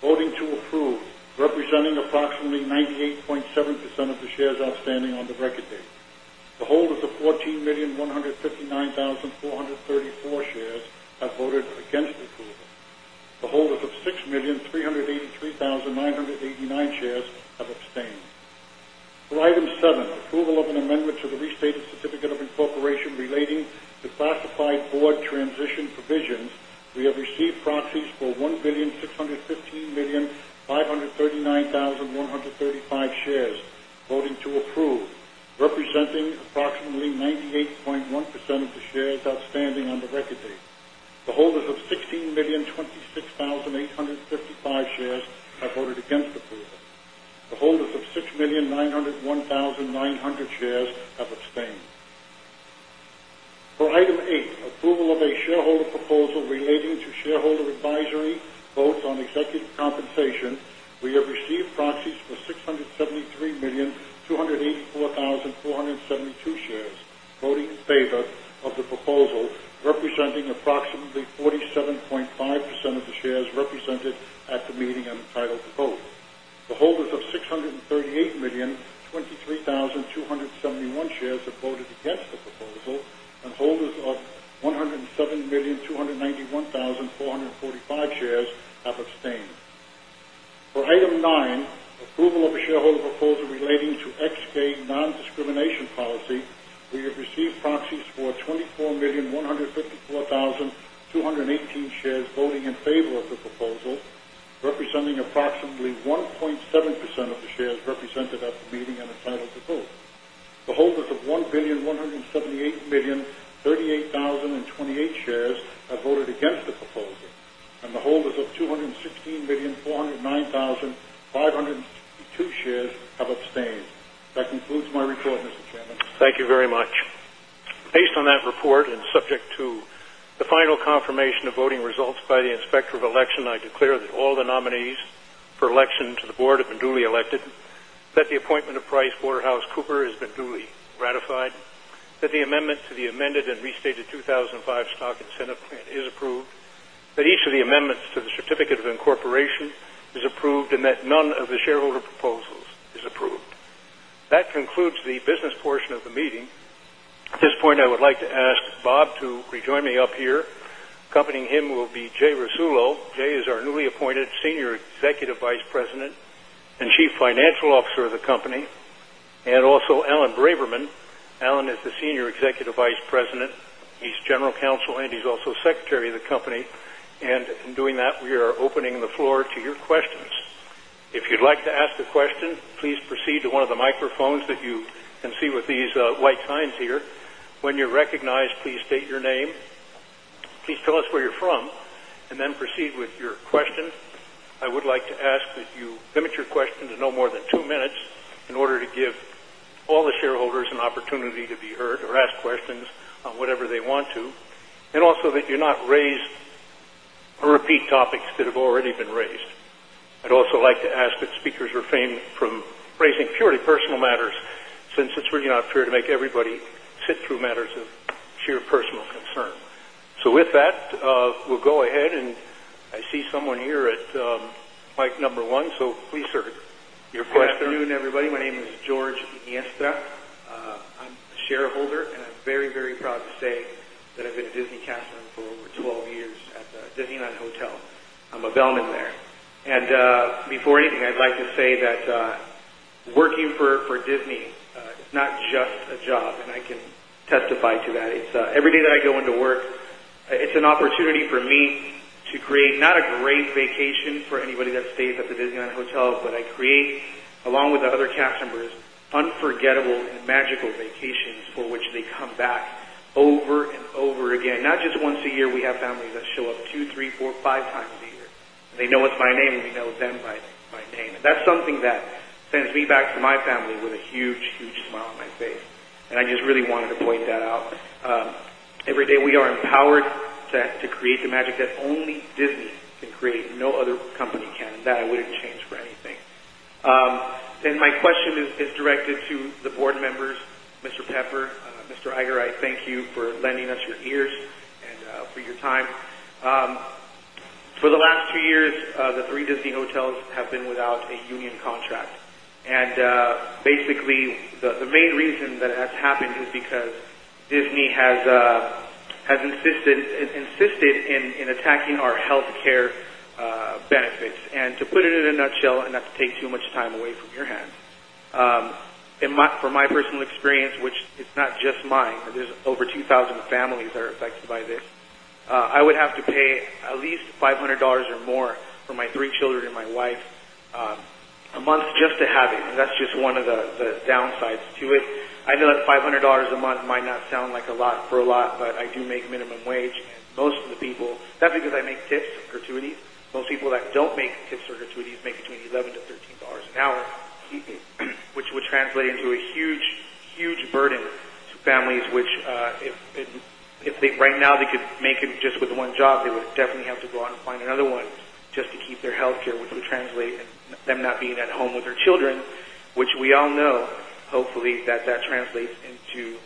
Voting to approve, representing approximately 98.7% of the shares outstanding on the record date. The holders of 14,159,434 shares have voted against the approval. The holders of 6,383,009 shares have abstained. For item 7, approval of an amendment to Certificate of Incorporation relating to classified Board transition provisions. We have received proxies for 1,615,000,000 539,135 shares voting to approve, representing approximately 98.1 shares outstanding on the record date. The holders of 16,026,855 shares are voted against the Board. The holders of 6,901,900 shares have abstained. For item 8, approval of a shareholder proposal relating to shareholder advisory, votes on executive compensation, we have received proxies for 673,000,000 284,472 shares voting in favor of the proposal, representing approximately 47 point 5% of the shares represented at the meeting entitled to both. The holders of 638,000,000, 23,271 shares have voted against the proposal and holders of 107,291,445 shares have abstained. For item 9, approval of a shareholder proposal relating to XK nondiscrimination policy, We have received proxies for 24,154,218 shares voting in favor of the proposal, representing approximately 1.7 percent of the shares represented at the meeting and entitled to vote. The holders of 1,178,000,000,000 38,028 shares have voted against the proposal and the holders of 216,409,000 562 shares have abstained. That concludes my report, Mr. Chairman. Thank you very much. Based on that report and subject to the final confirmation of voting results by the Inspector of Election, I declare that all the nominees for election to the Board have been duly elected, that the appointment of PricewaterhouseCooper has been duly ratified, that the amendment to the amended and restated 2,005 stock incentive plan is approved, each of the amendments to the certificate of incorporation is approved and that none of the shareholder proposals is approved. That concludes the business portion of the meeting. This point, I would like to ask Bob to rejoin me up here. Accompanying him will be Jay Rasulo. Jay is our newly appointed Senior Executive Vice President and Chief Financial Officer of the company and also Alan Braverman. Alan is the Senior Executive Vice President. The council and he is also Secretary of the company. And in doing that, we are opening the floor to your questions. If you'd like to ask a question, please proceed one of the microphones that you can see with these white signs here. When you're recognized, please state your name. Please tell us where you're from and then proceed with your questions. I would like to ask that you limit your question to no more than 2 minutes in order to give all the shareholders an opportunity to be heard or ask questions on whatever they want to and also that you're not raised or repeat topics that have already been raised. I'd also like to ask that speakers refrain from raising purely personal matters since it's really not fair to make everybody sit through matters of sheer personal concern. So with that, we'll go ahead and I see someone here at mic number 1. So please your question. Good afternoon, everybody. My name is George Iguanste. I'm a shareholder and I'm very, very proud to say I've been at Disney Castle for over 12 years at Disneyland Hotel. I'm a bellman there. And before anything, I'd like to say that working for Disney, it's not just a job and I can testify to that. It's every day that I go into work, It's an opportunity for me to create not a great vacation for anybody that stays at the Disneyland Hotel, but I create, along with other cast members, unforgettable and magical vacations for which they come back over and over again, not just once a year we have families that show up 2, 3, 4, 5 times a year. They know it's my name and we know them by name. That's something that sends me back to my family with a huge, huge smile on my face. And I just really wanted to point that out. Every day, we are empowered to create the magic that only Disney No other company can. That I wouldn't change for anything. And my question is directed to the Board members, Mr. Pepper. Mr. Iger, I thank you for lending us your ears and for your time. For the last 2 years, the 3 Disney hotels have been without a union contract. And basically, the main reason that has happened is because Disney has insisted in attacking our health care benefits. And to put it in a nutshell and not to take too much time away your hand. From my personal experience, which is not just mine, there's over 2,000 families that are affected by this. I would have to pay at least $500 or more for my 3 children and my wife a month just to have it. That's just one of the downsides I know that $500 a month might not sound like a lot for a lot, but I do make minimum wage. Most of the people that's because I make tips, gratuities. Most people that don't make tip certificates make between $11 to $13 an hour, which would translate into a huge burden to families, which If they right now they could make it just with one job, they would definitely have to go out and find another one just to keep their health care, which would translate them not being at home with their children, which we all know, hopefully, that, that translates into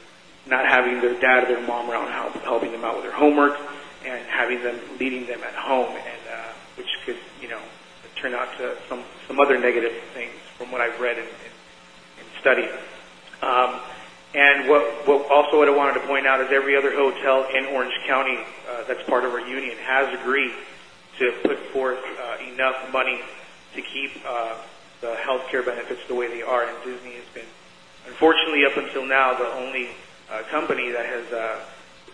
not having their dad or their mom around helping them out with their homework And having them leading them at home and which could turn out to some other negative things from what I've read study. And what also what I wanted to point out is every other hotel in Orange County that's part of our union has agreed to put forth enough money to keep the health care benefits the way they are. And Disney has been unfortunately up until now the only a company that has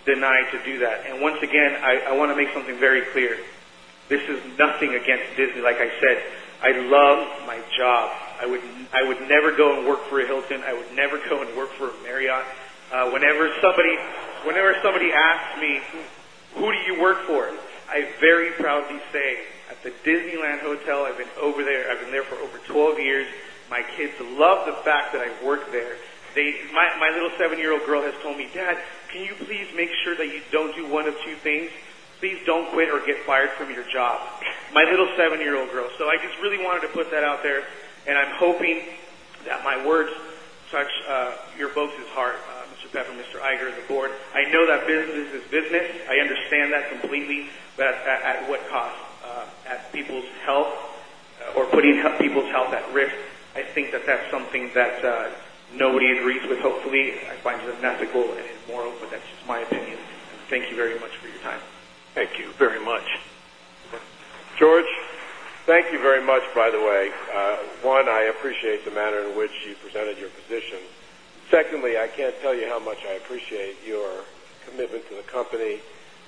denied to do that. And once again, I want to make something very clear. This is nothing against Disney. Like I said, I love my job. I would never go and work for Hilton. I would never go and work for Marriott. Whenever somebody asks me, Who do you work for? I very proudly say at the Disneyland Hotel, I've been over there. I've been there for over 12 years. My kids love the fact that I work there. My little 7 year old girl has told me, Dad, can you please make sure that you don't do 1 of 2 things? Please don't quit or get fired from your job. Locke. My little 7 year old girl. So I just really wanted to put that out there and I'm hoping that my words touch your folks' heart, Mr. Pepper, Mr. Eiger, the Board. I know that business is business. I understand that completely, but at what cost? At people's health We're putting people to help that risk. I think that that's something that nobody agrees with. Hopefully, I find it unethical and it's more open. That's just my opinion. The manner in which you presented your position. Secondly, I can't tell you how much I appreciate your commitment to the company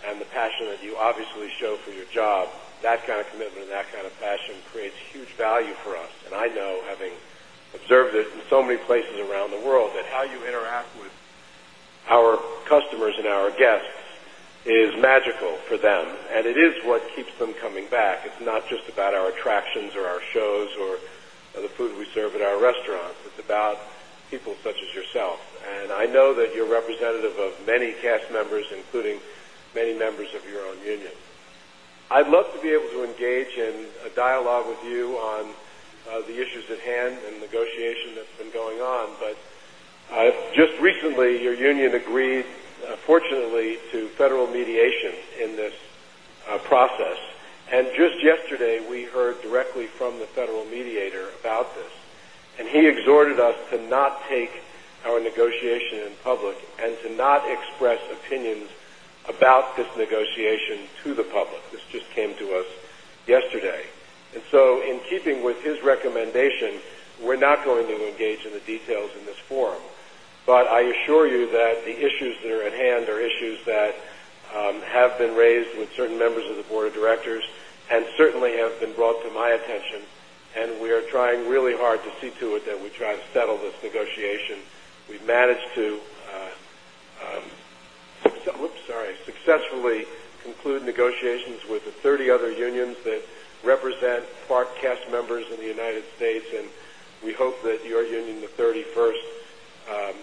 And the passion that you obviously show for your job, that kind of commitment and that kind of passion creates huge value for us. And I know having Observed it in so many places around the world that how you interact with our customers and our guests is magical for them and it is what keeps coming back. It's not just about our attractions or our shows or the food we serve at our restaurants. It's about people such as yourself. And I know that you're many cast members, including many members of your own union. I'd love to be able to engage in a dialogue with you on the issues at hand and negotiation that's been going on. But just recently, your union agreed fortunately to federal mediation in this process. And just yesterday, we heard directly from the federal mediator about this. And he exhorted us to not take our negotiation in public and to not express opinions about this negotiation to the public. This just came to us yesterday. And so in keeping with his recommendation, we're not going to engage in the details in this forum. But I assure you that the issues that are at and their issues that have been raised with certain members of the Board of Directors and certainly have been brought to my attention. And we are trying really hard to see to it that we try to settle this negotiation. We've managed to oops, sorry, successfully conclude negotiations with the 30 other unions that represent FARC cast members in the United States. And we hope that your union, the 31st, is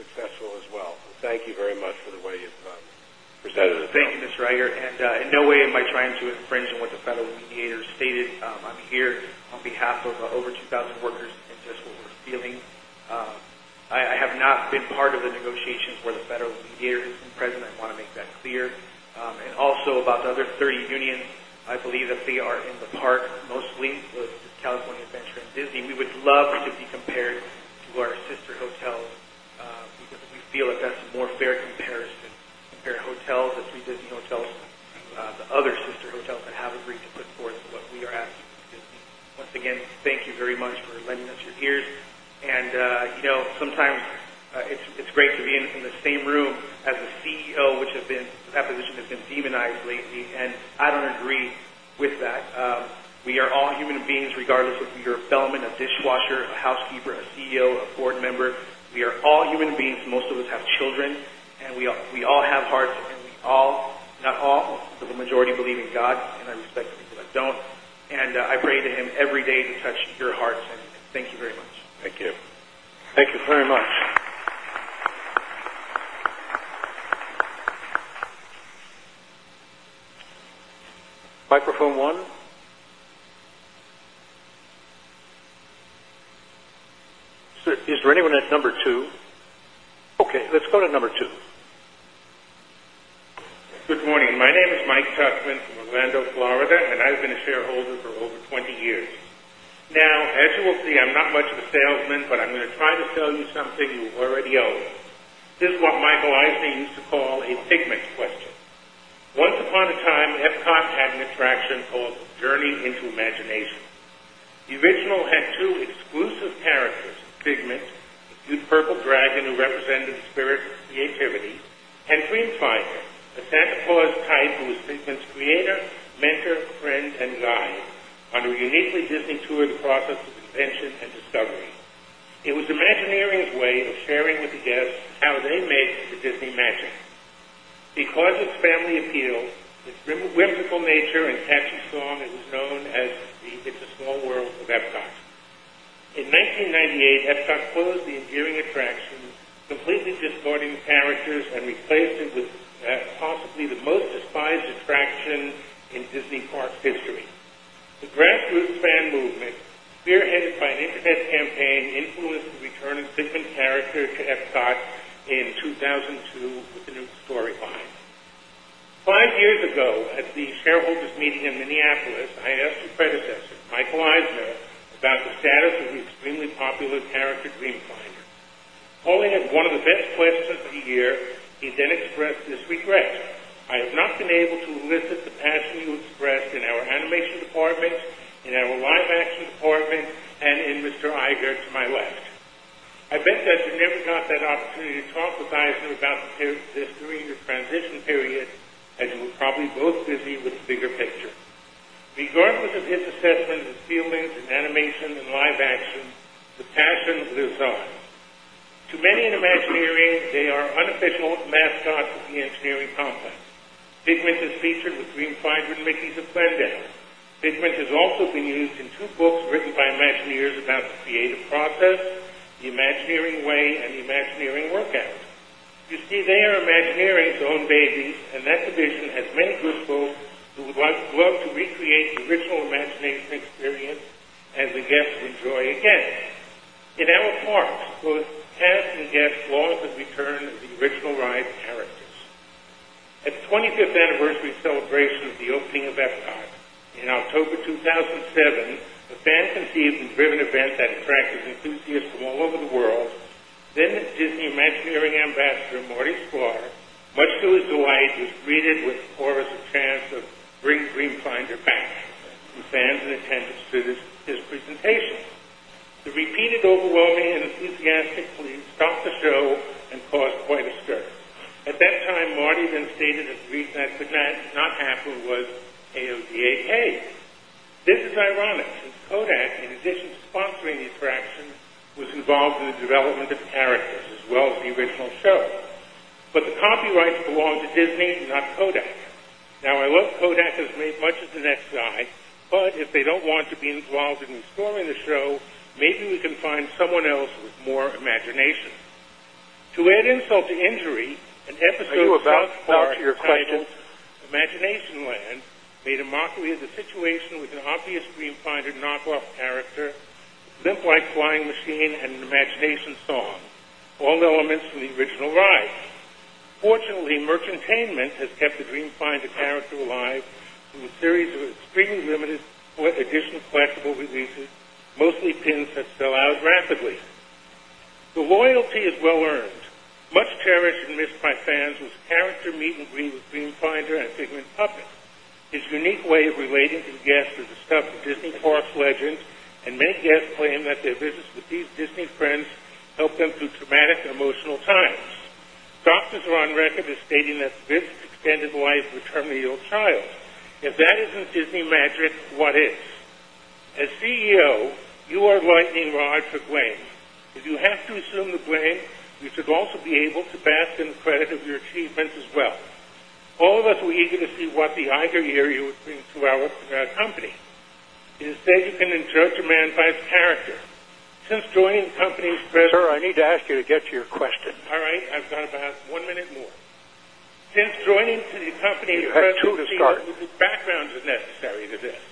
successful as well. Thank you very much for the way representatives. Thank you, Mr. Reichert. And in no way am I trying to infringe on what the federal mediator stated. I'm here on behalf of over 2,000 workers and just what we're feeling. I have not been part of the negotiations with the federal leaders and President, I want to make that clear. And also about the other 30 unions, I believe that we are in the park mostly with California Adventure and Disney. We would love to be compared to our sister hotels. Once again, thank you very much for letting us your ears. And sometimes it's great to be in the same room as the CEO, which has been that position has been demonized lately, and I don't agree with that. We are all human beings regardless if you're a bellman, a dishwasher, a housekeeper, a CEO, Board member. We are all human beings. Most of us have children, and we all have hearts, and we all, not all, but the majority believe in God, and I respect Don. And I pray to him every day to touch your hearts. And thank you very much. Thank you. Thank you very much. Microphone 1. Is there anyone at number 2? Okay, let's go to number 2. Good morning. My name is Mike Tuchman from Orlando, Florida, and I've been a shareholder for over 20 years. Now as you will see, I'm not much of a salesman, but I'm going to try to sell you something you already own. This is what Michael Eisenstein used to call a pigment question. Once upon a time, Epcot had an attraction called Journey Into Imagination. The original had 2 exclusive characters, Figment, beautiful dragon who represented spirit and creativity. Ken Greensteiner, a Santa Claus type who is Lincoln's creator, mentor, friend and guide On a uniquely Disney tour of the process of invention and discovery, it was Imagineering's way of sharing with the guests how they make the Disney magic. Because it's family appeal, its whimsical nature and catchy song is known as the it's a small world of Epcot. In 1998, Epcot closed the enduring attraction completely discarding characters and replaced it with possibly the most despised attraction Walt Disney World history. The grassroots fan movement spearheaded by an Internet campaign influenced the return of Penguin's character to Epcot in 2002 with a new story line. 5 years ago, at the shareholders meeting in Minneapolis, I asked a predecessor, Michael Izzo, about the status of the extremely popular character Dreamfinder. Pauline had one of the best questions of the year. He then expressed this regret. I have not been able to elicit the passion you expressed in our animation department, in our live action department and in Mr. Iger to my left. I bet that you never got that opportunity to talk with Geisinger about the period of this 3 year transition period as you were probably both busy with the bigger picture. Regardless of his assessment and feelings and animation and live action, the passion is designed. To many in Imagineering, they are unofficial mascots of the engineering complex. Figment is featured with GreenFinder and Mickey's of Glendale. Pigment has also been used in 2 books written by Imagineers about the creative process, The Imagineering Way and The Imagineering Workout. You see, they are Imagineering to own babies and that division has many good schools who would love to recreate the original imagination experience And the guests enjoy again. In our parks, both guests and guests lost and returned the original ride characters. At 25th anniversary celebration of the opening of Epcot, in October 2007, the fans and theaters driven event that attracted all over the world. Then the Disney Imagineering Ambassador, Marty Slaughter, much to his delight is greeted with Horace a chance of Greenbinder back with fans and attendants to this presentation. The repeated overwhelming and enthusiastic police and caused quite a stir. At that time, Marty then stated that the reason that Ignat is not Apple was AODAA. This is ironic since Kodak in addition to sponsoring the attraction was involved in the development of the characters as well as the original show. But the copyrights belong to Disney, not Kodak. Now I love Kodak as made much of the next guy, but if they don't want to be involved in installing the show, Maybe we can find someone else with more imagination. To add insult to injury, an episode of I do about back to your questions. Imagination Land made a mockery of the situation with an obvious screen finder knockoff character, limp like flying machine and an imagination song, all elements from the original Rise. Fortunately, merchantainment has kept the Dreamfinder character alive through a series of extremely limited additional collectible releases, mostly pins that sell out rapidly. The loyalty is well earned, Much cherished and missed by fans was character meet and greet with Dreamfinder and Figment Puffin. His unique way of relating to the guests is the stuff Disney Parks legends extended life with Hermely Old Child. If that isn't Disney magic, what is? As CEO, you are lightning rod for blame. You have to assume the blame. You should also be able to pass in credit of your achievements as well. All of us were eager to see what the higher year you would working to our company. It is safe and in short demand by its character. Since joining company's presence, sir, I need to get to your question. All right. I've got about 1 minute more. Since joining the company as President, COO, background is necessary to this.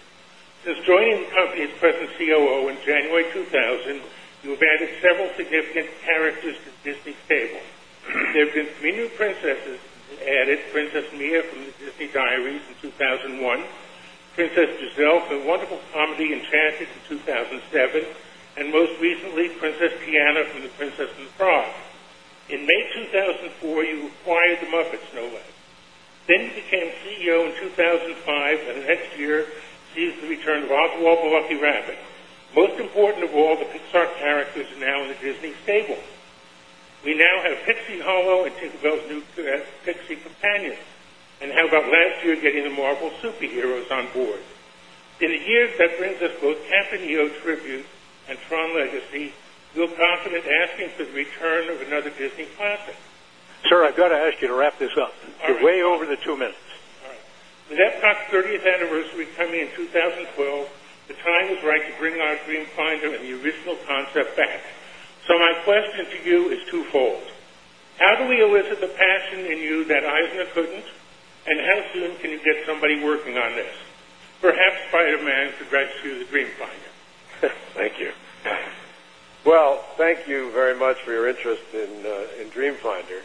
Since joining the company as President COO in January 2000, we've added several significant characters to Disney's table. There have been many princesses added, Princess Mia from The Disney Diaries in 2000 and 1, Princess Giselle from The Wonderful Comedy Enchanted 2007 and most recently Princess Diana from the Princess in Prague. In May 2004, he acquired the Muppets Snow White. Vince became CEO in 2005 and the next year sees the return of Odd Wall, The Lucky Rabbit. Most important of all, the Pixar characters are now in the Disney Cable. We now have Pixie Hollow and Tinkerbell's new Pixie companion. And how about last year getting the Marvel Super Heroes on board? In the years that brings us both Cap and EO tribute and strong legacy, we'll confident asking for the return of another Disney classic. Sir, I've got to ask you to wrap this up. You're way over the 2 minutes. With Epcot's 30th anniversary coming in 2012, The time is right to bring our Dreamfinder and the original concept back. So my question to you is twofold. How do we elicit the passion in you that Eisner couldn't? And how soon can you get somebody working on this? Perhaps Spider Man, congrats to you the Dreamfinder. Thank you. Well, thank you very much for your interest in Dreamfinder.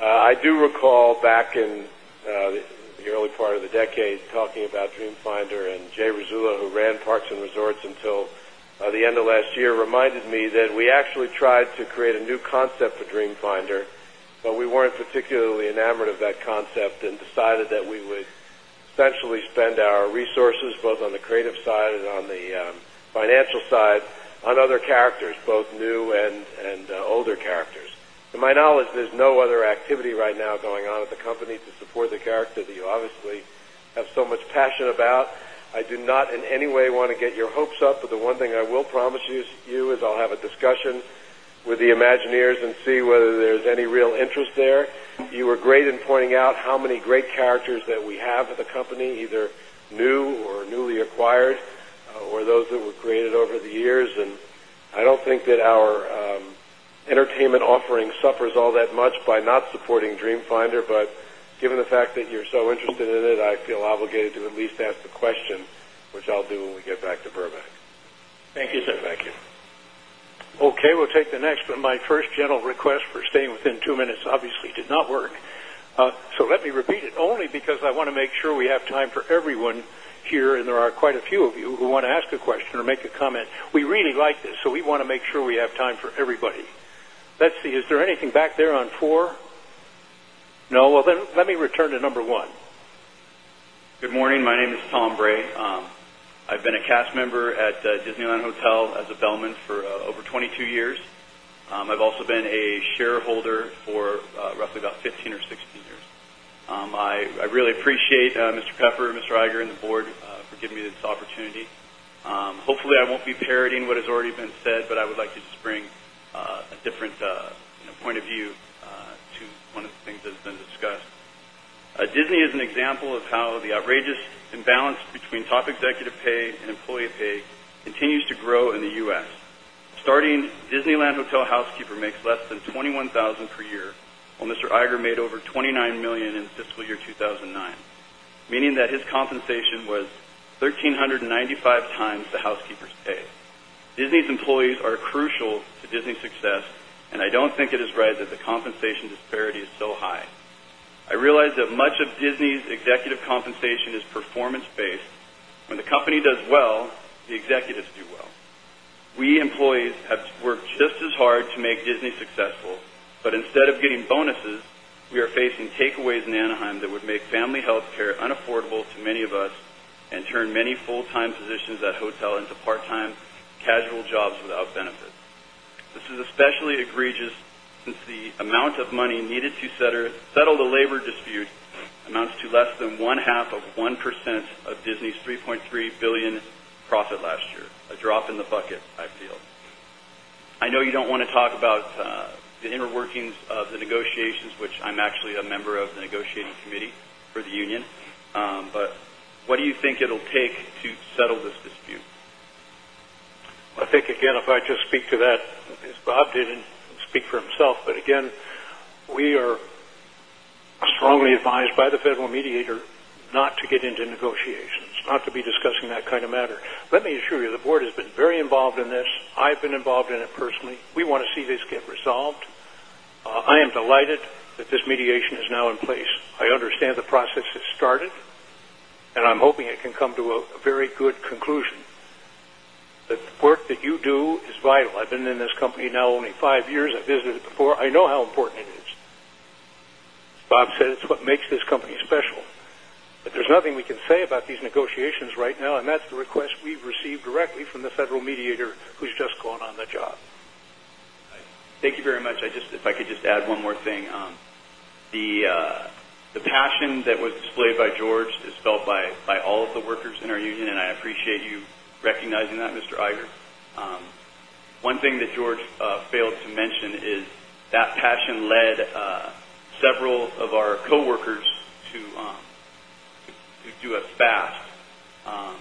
I do recall back in the early part of the Talking about Dreamfinder and Jay Rizzullo who ran Parks and Resorts until the end of last year reminded me that we actually tried create a new concept for Dreamfinder, but we weren't particularly enamored of that concept and decided that we would essentially spend our resources both on the creative side and on the financial side on other characters, both new and older characters. To To my knowledge, there's no other activity right now going on at the company to support the character that you obviously have so much passion about. I do not in any way want to get your hopes up, but the One thing I will promise you is I'll have a discussion with the imagineers and see whether there's any real interest there. You were great in pointing out how many great characters that we have at the company either new or newly acquired or those that were created over the years. And I feel obligated to at least ask the question, which I'll do when we get back to Virbank. Thank you, sir. Thank you. Okay, we'll take the next one. My first general request for staying within 2 minutes obviously did not work. So let me repeat it only because I want to make sure we have time for everyone here and there are quite a few of you who want to ask a question or make a comment. We really like this. So we want to make sure we have time for everybody. Betsy. Is there anything back there on 4? No. Well, then let me return to number 1. Good morning. My name is Tom Bray. I've been a cast member at Disneyland Hotel as a bellman for over 22 years. I've also been a shareholder for roughly about 15 or 16 years. I really appreciate Mr. Pepper, Mr. Iger and the Board for giving me this opportunity. Hopefully, I won't be parodying what has already been said, but I would like to just bring a different point of view to one of the things that has been discussed. Disney is an example of how the outrageous And balance between top executive pay and employee pay continues to grow in the U. S. Starting Disneyland Hotel Housekeeper makes less than 21,000 per year, Mr. Iger made over $29,000,000 in fiscal year 2,009, meaning that his compensation was 13.95 times the housekeepers pay. Disney's employees are crucial to Disney's success and I don't think it is right that the compensation disparity is so high. I realize that much of Disney's executive compensation is performance based. When the company does well, the executives do well. We employees have worked just as hard to make Disney successful, but instead of getting bonuses, we are facing takeaways in Anaheim that would make family healthcare unaffordable many of us and turn many full time positions at hotel into part time casual jobs without benefit. This is especially egregious the amount of money needed to settle the labor dispute amounts to less than 1 half of 1 percent of Disney's 3,300,000,000 profit last year, a drop in the bucket, I feel. I know you don't want to talk about the inner workings of the negotiations, which I'm actually a member of the negotiating committee for the union. But what do you think it'll take to settle this dispute? I think again if I just speak to that as Bob didn't speak for himself, but again we are strongly advised by the federal mediator not to get into negotiations, not to be discussing that kind of matter. Let me assure you, the Board has been very involved in this. I've been involved in it personally. We want to see this get resolved. I am delighted. Oli. We want to see this get resolved. I am delighted that this mediation is now in place. I understand the process has started and I'm hoping it can come to a very good conclusion that the work that you do is vital. I've been in this company now only 5 years. I visited it before. I know how important it is. Bob said, it's what makes this company special. But there's nothing we can say about these negotiations right now and that's the request we've received directly from the federal mediator who's just gone on the job. Thank you very much. I just if I could just add one more thing. The passion that was displayed by George is felt by all of the workers in our union and I appreciate you recognizing that Mr. Eiger. One thing that George failed to mention is that passion led several of our co workers Do a fast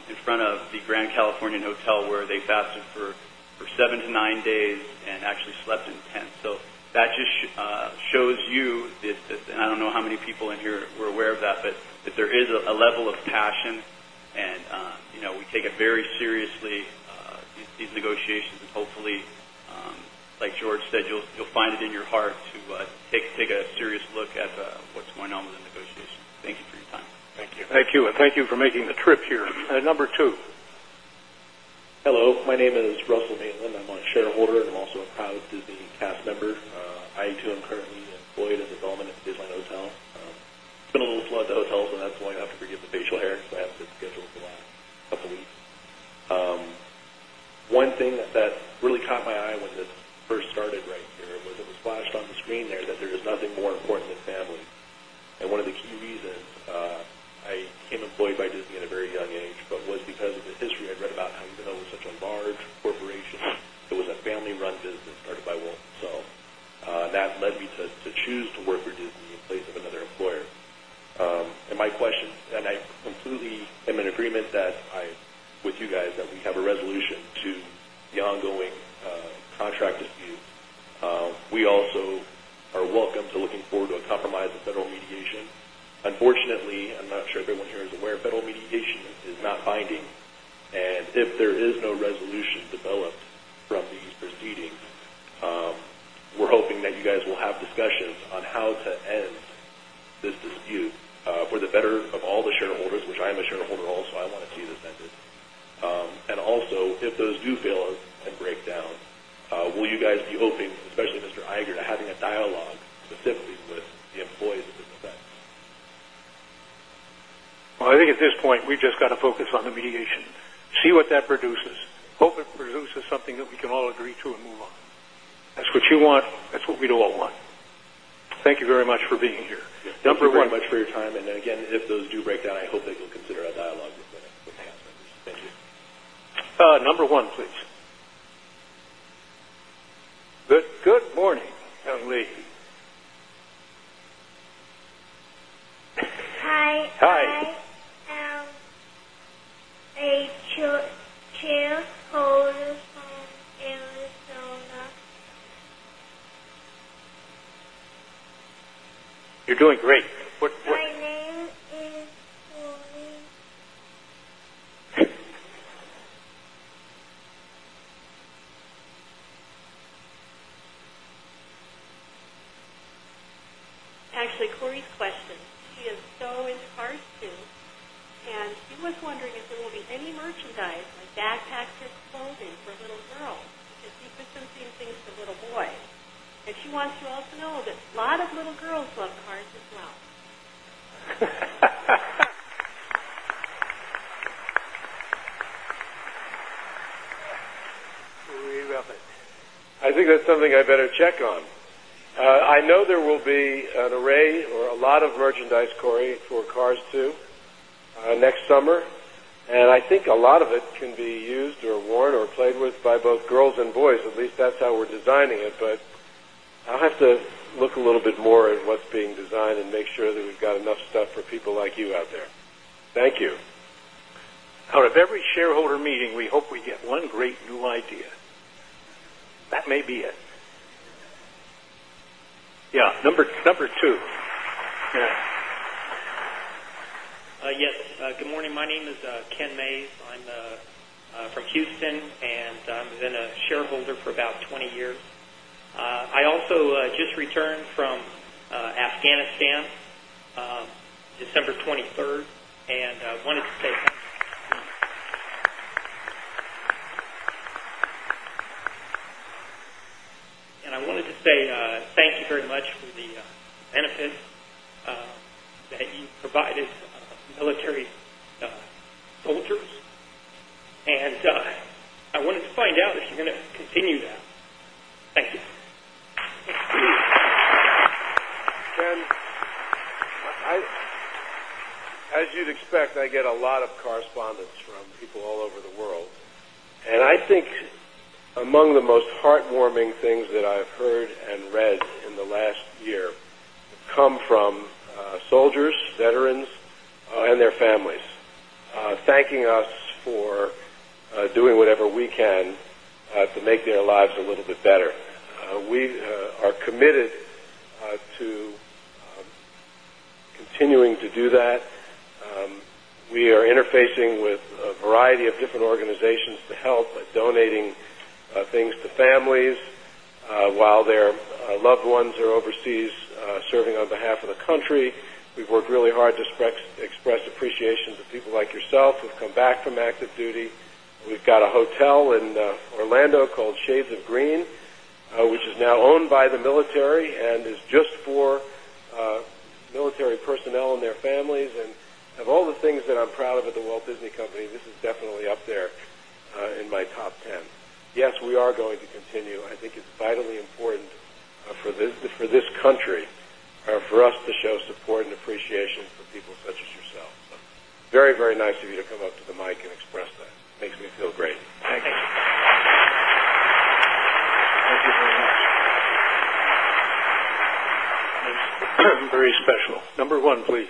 in front of the Grand Californian Hotel where they fasted for 7 to 9 days and actually slept in 10. So That just shows you that and I don't know how many people in here were aware of that, but there is a level of passion And we take it very seriously, these negotiations. And hopefully, like George said, you'll find it in your heart to take a serious look at what's going on with the negotiation. Thank you for your time. Thank you. Thank you and thank you for making the trip here. Number 2. Hello. My name is Russell Maitland. I'm a shareholder and I'm also a proud Disney cast member. I too am currently employed as a development of Disneyland Hotel. It's been a little flood to hotels and that's why I have to forgive the facial hair because I have to schedule for the last couple of weeks. One thing that really caught my eye when this first started right here. It was flashed on the screen there that there is nothing more important than family. And one of the key reasons I became employed by Disney at a very young age, but was because of the history I'd read about Huntington Hill was such a large corporation. It was a family run business started by Wolf. So that led me to choose to work with Disney in place of another employer. And my question and I completely am in agreement that I With you guys that we have a resolution to the ongoing contract dispute. We also are welcome to looking forward to a compromise of federal mediation. Unfortunately, I'm not sure if everyone here is aware, federal mediation is not binding. And if there is no resolution developed from these proceedings, we're hoping that you guys will have discussions on how to end this dispute for the better of all the shareholders, which I am a shareholder also, I want to see this vendor. And also, if those do fail and break down, Will you guys be hoping, especially Mr. Iger to having a dialogue specifically with the employees of this event? I think at this point, we've just got to focus on the mediation, see what that produces, hope it produces something that we can all agree to and move on. That's what you want. That's what we do all want. Thank you very much for being here. Thank you very much for your time. And again, if those do break down, I hope that you'll consider our dialogue Board. Thank you. Number 1, please. Good morning, Actually, Corey's question, she is so inspired too. And she was wondering if there will be any merchandise I think that's something I better check on. I know there will be an array or a lot of merchandise, Corey, for Cars 2 next summer. And I think a lot of it can be used or worn or played with by both girls and boys, at least that's how we're designing it. But I'll have to look a little bit more at what's being designed and make sure that we've got enough stuff for people like you out there. Thank you. Out of every shareholder meeting, we hope we get one great new idea. That may be it. Yes, number 2. Yes. Good morning. My name is Ken Mays. I'm Houston and I've been a shareholder for about 20 years. I also just returned from Afghanistan December 23, And I wanted to say thank you very much for the benefit that you provided military soldiers. And I wanted to find out if you're going to continue that. Thank you. Ken, as you'd expect, I get a lot of correspondence from people all over the world. And I think among the most heartwarming things that I've heard and read in the last year come from soldiers, veterans and their families, thanking us for doing whatever we can to make their lives a little bit better. We are committed to continuing to do that. We are interfacing with a variety of different organizations to help by donating things to families while their loved ones are overseas serving on behalf of the country. We've worked really hard to express appreciation to people like yourself who have come back from active duty. We've got a hotel in Orlando called Shades of Green, which is now owned by the military and is just for military personnel and their families and Of all the things that I'm proud of at The Walt Disney Company, this is definitely up there in my top ten. Yes, we are going to continue. I think it's vitally important For this country, for us to show support and appreciation for people such as yourself. So very, very nice of you to come up to the mic and express that. Makes me feel great. All very special. Number 1, please.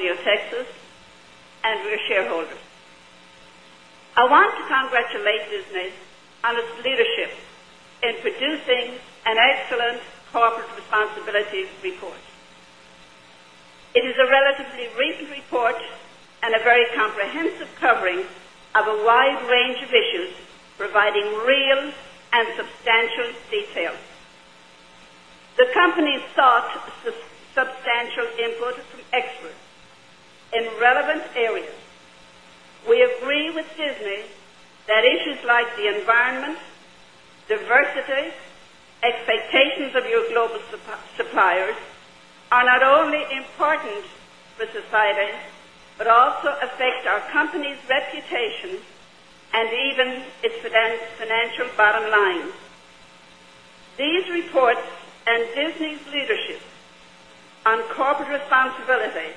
Good morning. I'm Sister Gabriella Logan of the Sisters of the Holy Spirit in Antonio, Texas, and we are shareholders. I want to congratulate business on its leadership in producing an excellent corporate responsibilities report. It is a relatively recent report and a very comprehensive covering of a wide range of issues providing real and substantial detail. The company sought substantial input from experts We agree with Disney that issues like the environment, diversity, Expectations of your global suppliers are not only important for society, But also affect our company's reputation and even its financial bottom line. These reports and Disney's leadership on corporate responsibility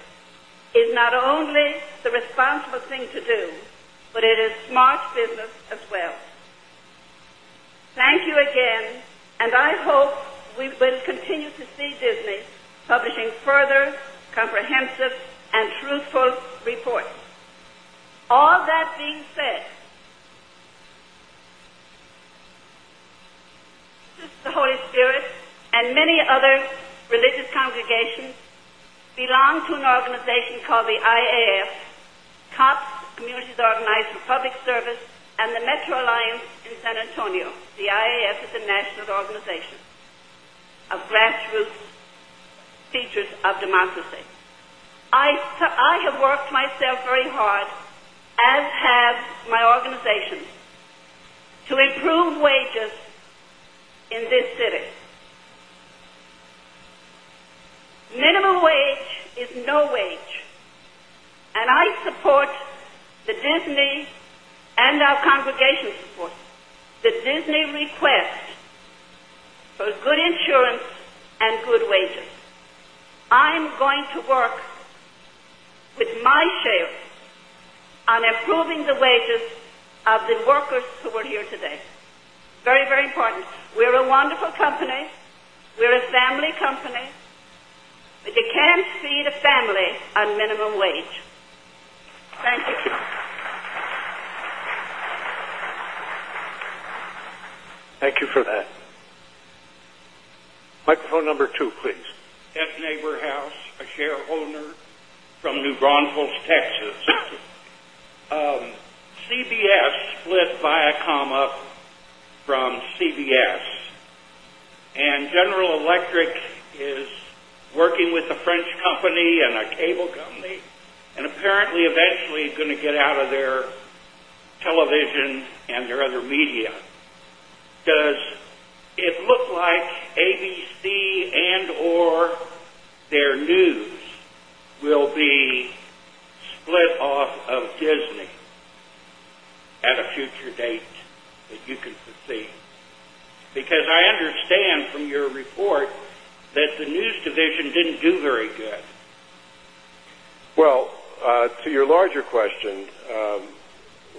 is not only the responsible thing to do, But it is smart business as well. Thank you again, and I hope we will continue to see Disney publishing further comprehensive and truthful reports. All that being said, The Holy Spirit and many other religious congregations belong to an organization called the IAF, COPS, Communities Organized for Public Service and the Metro Alliance in San Antonio. The IAF is a national organization of grassroots I have worked myself very hard as have my organization Minimum wage is no wage. And I support the Disney and our congregation support. The Disney request for good insurance and good wages. I'm going to work with my share and improving the wages of the workers who are here today. Very, very important. We are a wonderful company. We are a family company. But you can't see the family on minimum wage. Microphone number 2, please. Ed Nabor House, a shareholder from New Braunfels, Texas. CBS split Viacom from CBS And General Electric is working with a French company and a cable company and apparently eventually going to get out of their television and their other media. Does it look like ABC and or their news Because I understand from your report that the news division didn't do very good. Well, to your larger question,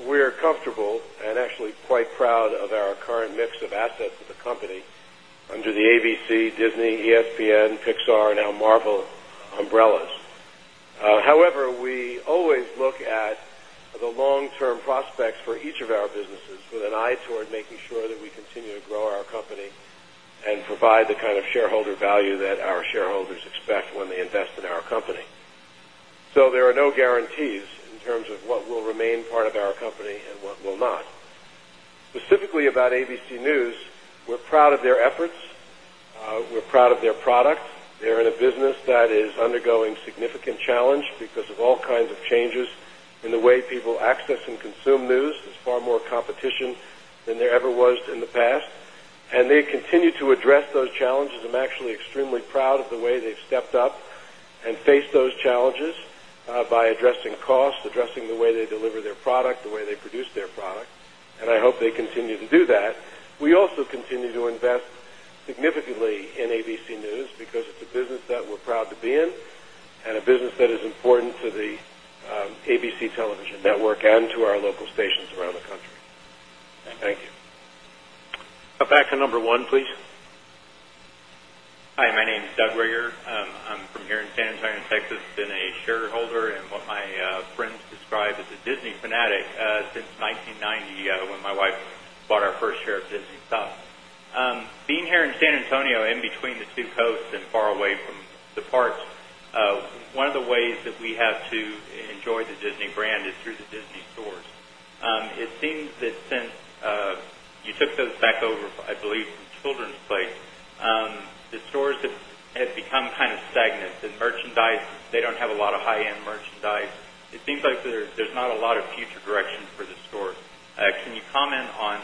we are comfortable and actually quite proud of our current mix of assets in the company Under the ABC, Disney, ESPN, Pixar and now Marvel umbrellas. However, we always look at the long term prospects for each of our businesses with an eye toward making sure that we continue to grow our company and provide the kind of shareholder value that our shareholders what they expect when they invest in our company. So there are no guarantees in terms of what will remain part of our company and what will not. Specifically about ABC News, we're proud of their efforts. We're proud of their products. They're in a business that is undergoing significant challenge And they continue to address those challenges. I'm actually extremely proud of the way they've stepped up and faced those challenges by addressing costs, addressing the way they deliver their product, the way they produce their product, and I hope they continue to do that. We also continue to invest Significantly in ABC News because it's a business that we're proud to be in and a business that is important to the ABC Television Network and to our local patients around the country. Thank you. Thank you. Go back to number 1, please. Hi, my name is Doug Reger. I'm from here in San Antonio, Texas, been a shareholder and what my friends describe as a Disney fanatic since 1990 when my wife Our first share of Disney stuff. Being here in San Antonio in between the two coasts and far away from the parts, one of the ways that we have to enjoy the Disney brand is through the Disney stores. It seems that since You took those back over, I believe, children's place. The stores have become kind of stagnant. The merchandise, they don't have a lot of high end merchandise. It seems like there's not a lot of future directions for the stores. Can you comment on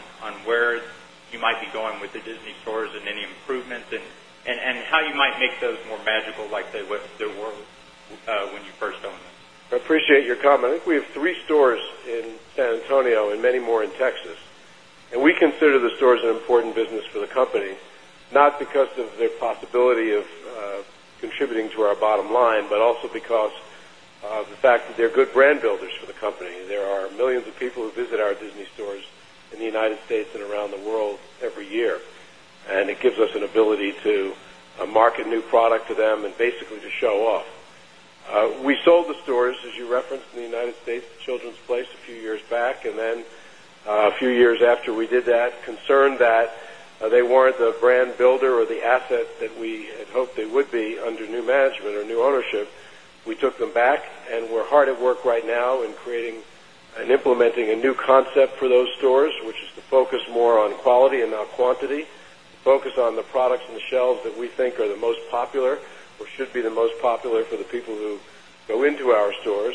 where you might be going with the Disney stores and any improvements and how you might make those more magical like they were when you first owned it. I appreciate your comment. We have 3 stores in San Antonio and many more in Texas. And we consider the stores an important business for the company, not because of the possibility of contributing to our bottom line, but also because of the fact that they're good brand builders for the company. There are millions of people who visit our Disney stores in the United States and around the world every year. And it gives us an ability to market new product to them and basically to show off. We sold the stores, as you referenced, in the United States, Children's Place a few years back. And then a few years after we did that, concerned that They weren't the brand builder or the asset that we had hoped they would be under new management or new ownership. We took them back and we're hard at work right now in creating implementing a new concept for those stores, which is to focus more on quality and not quantity, focus on the products in the shelves that we think are the most popular or what should be the most popular for the people who go into our stores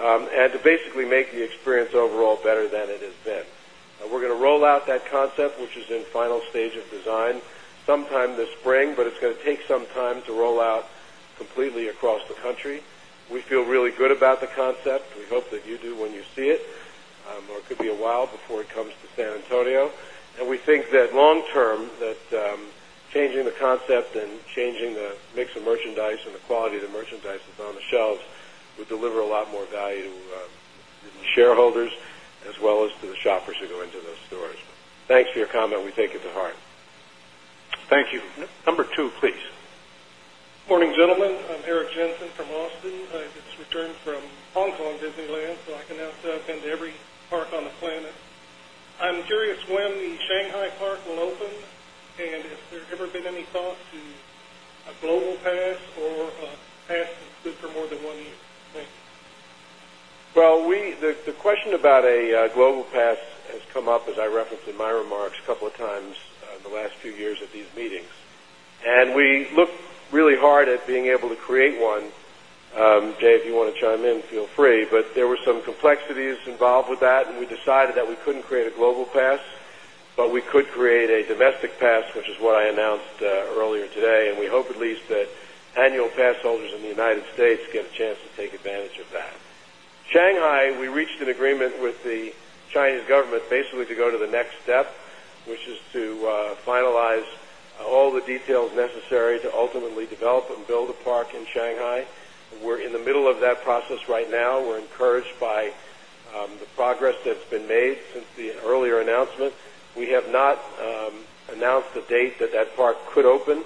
and to basically make the experience overall better than it has been. We're going to roll out that concept, which is in final stage of design sometime this spring, but it's going to take some time to roll out completely across the country. We feel really good about the concept. We hope that you do when you see it or it could be a while before it comes to San Antonio. And we think that long term that changing the concept and changing the mix of merchandise and the quality of the merchandise that's on the shelves would deliver a lot more value shareholders as well as to the shoppers who go into those stores. Thanks for your comment. We take it to heart. Thank you. Number 2, please. Morning, gentlemen. I'm Eric Jensen from Austin. I just returned from Hong Kong Disneyland, so I can now step into every park on the planet. I'm curious when the Shanghai Park will open and if there ever been any thoughts to a global pass or a pass that's good for more than 1 year? Well, we the question about a Global Pass has come up as I referenced in my remarks a couple of times the last few years at these meetings. And we look really hard at being able to create one. Jay, if you want to chime in, feel free, but there were some complexities involved with that we couldn't create a global pass, but we could create a domestic pass, which is what I announced earlier today. And we hope at least that annual pass holders in the United States get a chance to take advantage of that. Shanghai, we reached an agreement with the Chinese government basically to go to the next step, which is to finalize all the details necessary to ultimately develop and build a park in Shanghai. We're in the middle of that process right now. We're encouraged by the progress that's been made since the earlier announcement. We have not announced the date that, that park could open,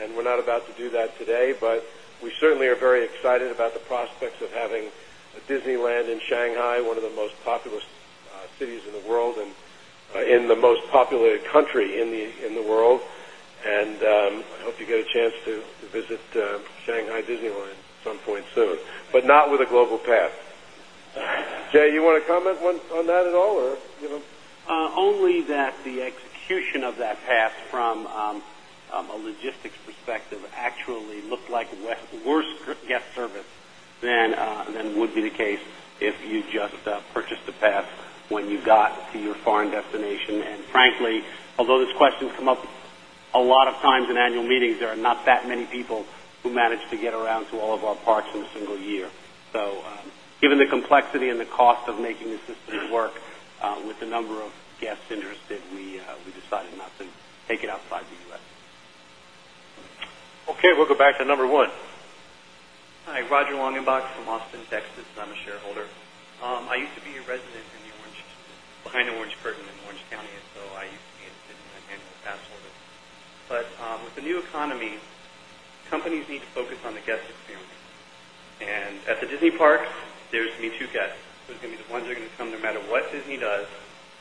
and we're not about to do that today. But we certainly are very excited about the prospects of having Disneyland in Shanghai, one of the most populous cities in the world and in the most populated country in the world. And hope you get a chance to visit Shanghai Disneyland some point soon, but not with a global path. Jay, you want to comment on that at all? Or Only that the execution of that path from a logistics perspective actually looked like worse guest service than would be the case If you just purchased a pass when you got to your foreign destination. And frankly, although this question come up A lot of times in annual meetings, there are not that many people who manage to get around to all of our parks in a single year. So Given the complexity and the cost of making the system work with the number of guests interested, we decided not to take it outside the U. S. Okay, we'll go back to number 1. Hi, Roger Longenbach from Austin, Texas. I'm a shareholder. I used to be a resident in the Orange Orange County. But with the new economy, companies need to focus on the guest experience. And at the Disney parks, there's going to be 2 guests. There's going to be the ones that are going to come no matter what Disney does.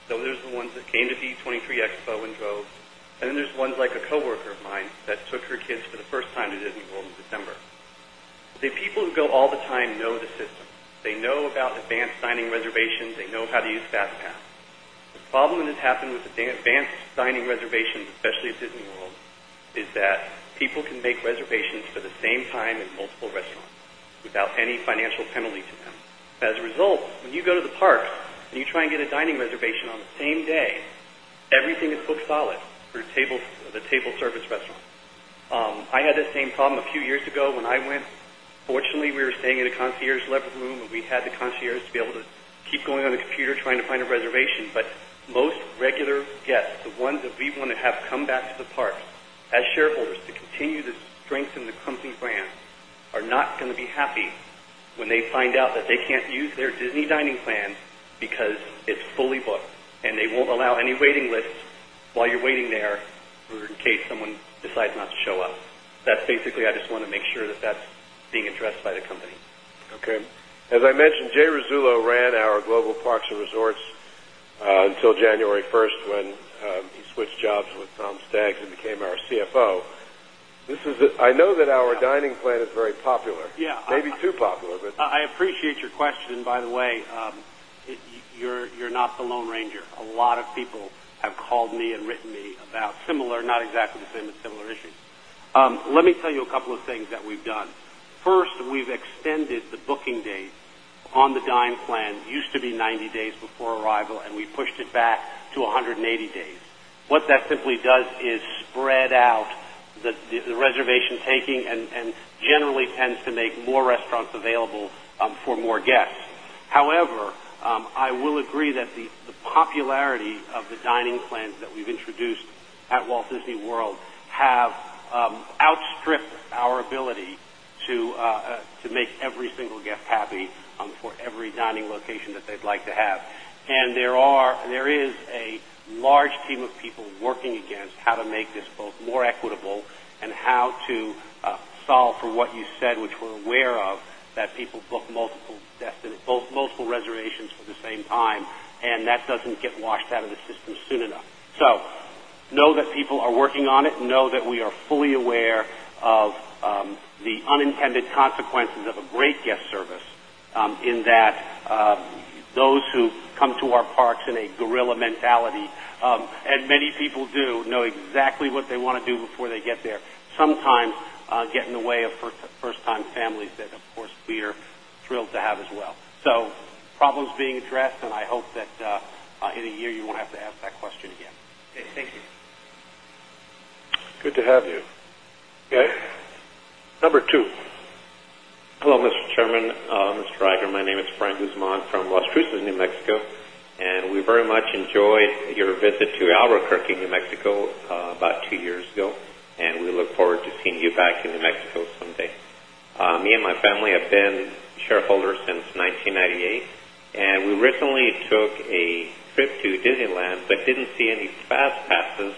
So there's the ones that came to the E23 Expo and drove. And then there's one like a co worker of mine that took her kids for the first time in the world in December. The people who go all the time know the system. They know about advanced dining reservations. They know how to use FastPath. The problem that has happened with the advanced dining reservations, especially at Disney World, is that people can make reservations for the same time in multiple restaurants without any financial penalty to them. As a result, when you go to the parks and you You try and get a dining reservation on the same day, everything is cooked solid for the table service restaurant. I had the same problem a few years ago when I went. Fortunately, we were staying in a concierge level room and we had the concierge to be able to keep going on the computer trying to find a reservation. But most regular guests, the ones that we want to have come back to the parks as shareholders to continue to strengthen the company brand are not going to be happy When they find out that they can't use their Disney Dining Plan because it's fully booked and they won't allow any waiting lists While you're waiting there, in case someone decides not to show up. That's basically, I just want to make sure that that's being addressed by the company. Okay. As I mentioned, Jay Rizzulo ran our global parks and resorts until January 1st when he switched jobs with Tom Staggs and became our CFO. This is I know that our dining plan is very popular, maybe too popular, but I appreciate your question. By the way, You're not the lone ranger. A lot of people have called me and written me about similar, not exactly the same, but similar issues. Let me tell you a couple of things that we've done. First, we've extended the booking date on the Dine plan, used to be 90 days for arrival and we pushed it back to 180 days. What that simply does is spread out the reservation taking and Generally tends to make more restaurants available for more guests. However, I will agree that the popularity of the dining plans that we've introduced at Walt Disney World have outstripped our ability to make every single guest happy for every dining location that they'd like to have. And there are there is a large team of people working against how to make this both more equitable and how to solve for what you said, which we're aware of that people book multiple People are working on it and know that we are fully aware of the unintended consequences of a great guest service in that, those who come to our parks in a gorilla mentality, and many people do know exactly what they want to do before they get there, sometimes get in the way of first time families that, of course, we are thrilled to have as well. So problems being addressed, and I hope that any year you won't have to ask that question again. Okay. Thank you. Good to have you. Number 2. Hello, Mr. Chairman, Mr. Reagor. My name is Frank Guzman from Las Cruces, New Mexico. And we very much enjoyed your visit to Albuquerque, Albuquerque, New Mexico about 2 years ago, and we look forward to seeing you back in New Mexico someday. Me and my family have been shareholders since 1998. And we recently took a trip to Disneyland, but didn't see any fast passes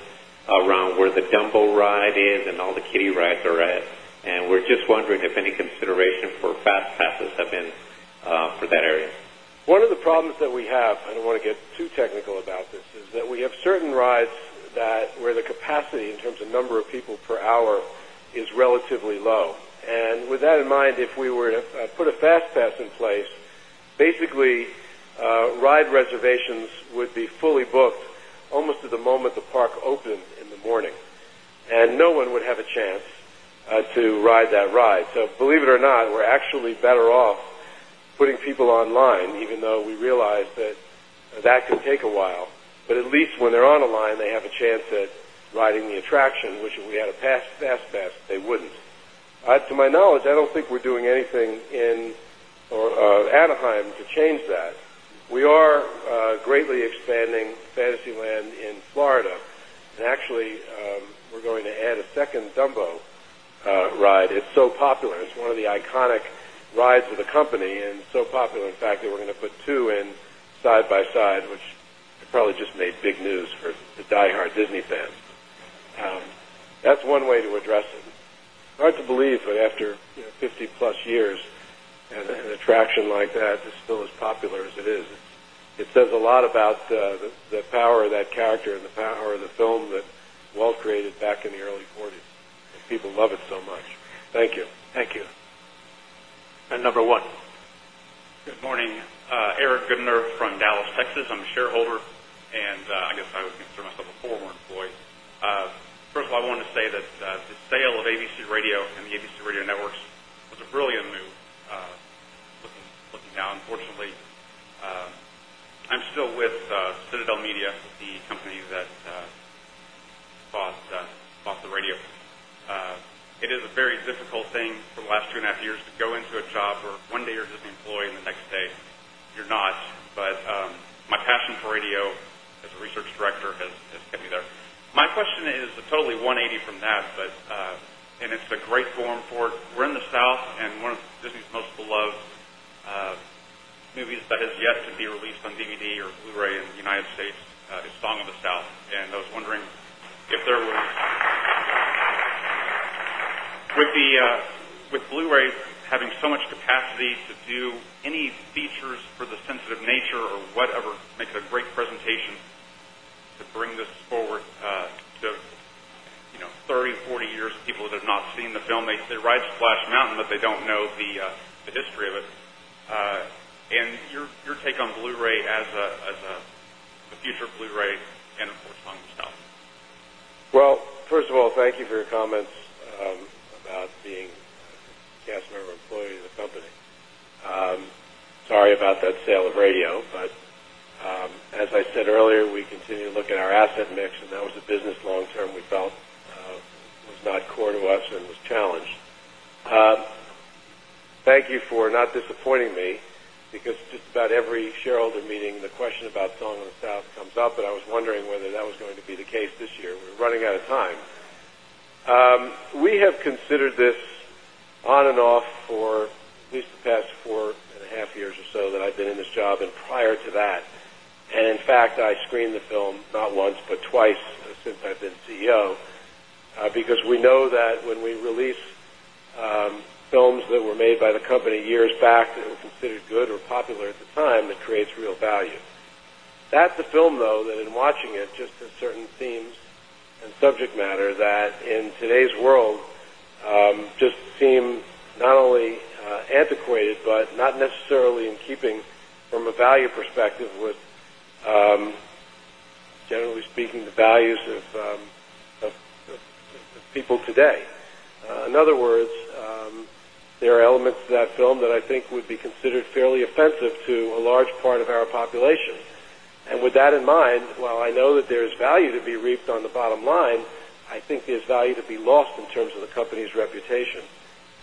Around where the dumbo ride is and all the kiddie rides are at. And we're just wondering if any consideration for fast passes have been for that area. One of the problems that we have, I don't want to get too technical about this, is that we have certain rides that where the capacity in terms of number of people per hour stations would be fully booked almost at the moment the park opened in the morning. And no one would have a chance to ride that ride. So believe it or not, we're actually better off putting people online even though we realize that That can take a while, but at least when they're on the line, they have a chance at riding the attraction, which we had a pass, pass, pass, they wouldn't. To my knowledge, I don't think we're doing anything in Anaheim to change that. We are greatly expanding Fantasyland in Florida. And actually, we're going to add a second Dumbo ride. It's so popular. It's one of the iconic rides with the company and so popular in fact that we're going to put 2 in side by side, which probably just made big news for the diehard Disney fans. That's one way to address it. Hard to believe that after 50 plus years and attraction like that is still as popular as it is. Walt. It says a lot about the power of that character and the power of the film that Walt created back in the early '40s. People love it so much. Thank you. Thank you. And number 1? Good morning. Eric Gutner from Dallas, Texas. I'm a shareholder. And I guess I would consider myself a former employee. First of all, I wanted to say that the sale of ABC Radio and the ABC Radio Networks was a brilliant move Looking down, unfortunately, I'm still with Citadel Media, the company that It is a very difficult thing for the last two and a half years to go into a job where one day you're just an employee and the next day. You're not, but my passion for radio as a Research Director has got me there. My question is a totally 180 from that, but And it's a great forum for it. We're in the South and one of Disney's most beloved movies that is yet to be released on DVD or Blu Ray in the United States Song of the South. And I was wondering if there would be with Blu Ray having so much capacity to you. Any features for the sensitive nature or whatever makes a great presentation to bring this forward 30, 40 years people have not seen the film, they write Splash Mountain, but they don't know the history of it. And your take on Blu Ray as a future Blu Ray and of course, Hong Kong. Well, first of all, thank you for your comments Sorry about that sale of radio, but As I said earlier, we continue to look at our asset mix and that was a business long term we felt was not core to us and was challenged. Thank you for not disappointing me because just about every shareholder meeting, the question about Song of the comes up, but I was wondering whether that was going to be the case this year. We're running out of time. We have considered this on and off for at least the past four and a half years or so that I've been in this job and prior to that. And in fact, I screened the film not once, but twice since I've been CEO, because we know that when we release films that were made by the company years back that were considered good or popular at the time, it creates real value. That's a film though that in watching it just has certain themes the subject matter that in today's world just seem not only antiquated, but not necessarily in keeping from a value perspective with generally speaking the values of people today. In other words, there are elements to that film that I think would be considered fairly offensive to a large part of our population. And with that in mind, while I know that there is value to be reaped on the bottom line, I think there's value to be lost in terms of the company's reputation.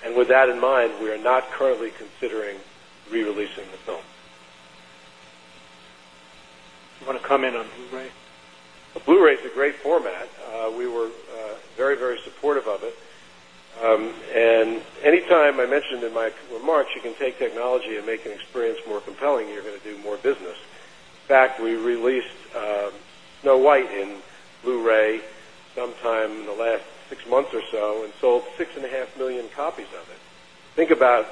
And with that in mind, we are not currently considering re releasing the film. You want to comment on Blu ray? Blu Ray is a great format. We were very, very supportive of it. And anytime I mentioned in my remarks, you can take technology and make an experience more compelling, you're going to do more business. In fact, we released Snow White in Blu Ray sometime in the last 6 months or so and sold 6,500,000 copies of it. Think about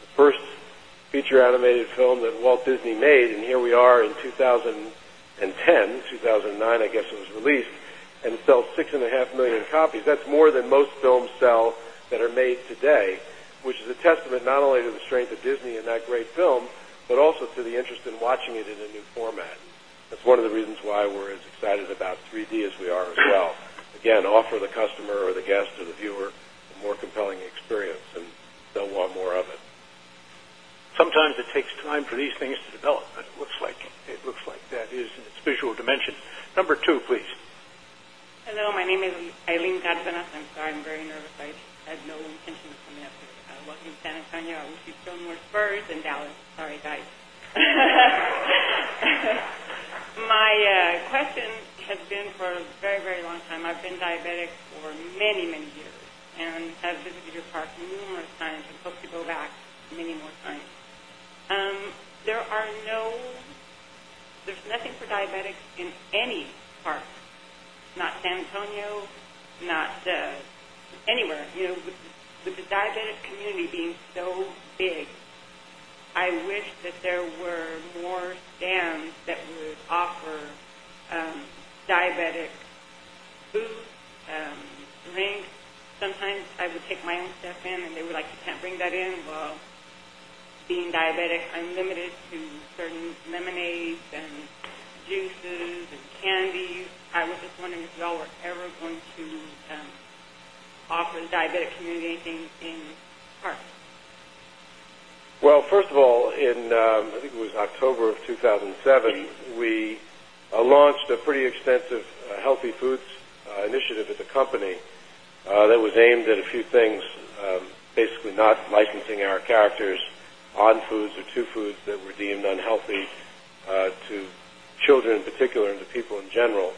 the first feature animated film that Walt Disney made and here we are in 2010, 2009 I guess it was released And sells 6,500,000 copies. That's more than most films sell that are made today, which is a testament not only to the strength of Disney in that great film, But also to the interest in watching it in a new format. That's one of the reasons why we're as excited about 3 d as we are ourselves. Again, offer the customer or the guest or the viewer more compelling experience and they'll want more of it. Sometimes it takes time for these things to develop, but it looks like it looks like that is in its visual dimension. Number 2, please. Hello. My name is Eileen Cardenas. I'm sorry, I'm very nervous. I My question Has been for a very, very long time. I've been diabetic for many, many years and have visited your park numerous times and hope to go back many more times. There are no there's nothing for diabetics in any part, not San Antonio, not Anywhere. With the diabetic community being so big, I wish that there were more scans that would offer Diabetic food, drinks, sometimes I would take my own stuff in and they were like, you can't bring that in, while Being diabetic, I'm limited to certain lemonades and juices and candies. I was just wondering if you all were ever going to orphan diabetic community in CAR. Well, first of all, in, I think it was October of 2007, we Launched a pretty extensive healthy foods initiative as a company that was aimed at a few things, basically not licensing our characters on foods or to foods that were deemed unhealthy to children in particular and to people in general.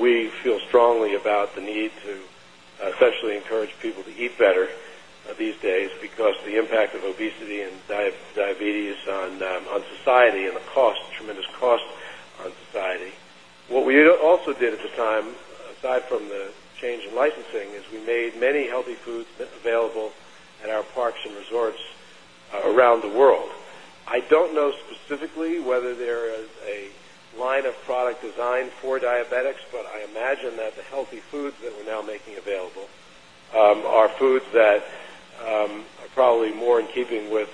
We feel strongly about the need to especially encourage people to eat better these days because the impact of obesity and diabetes on society and the cost, tremendous cost on society. What we also did at this time aside from the change and licensing as we made many healthy foods available at our parks and resorts around the world. I don't know specifically whether there is a line of product designed for diabetics, but I imagine that the healthy foods that we're now making available our foods that are probably more in keeping with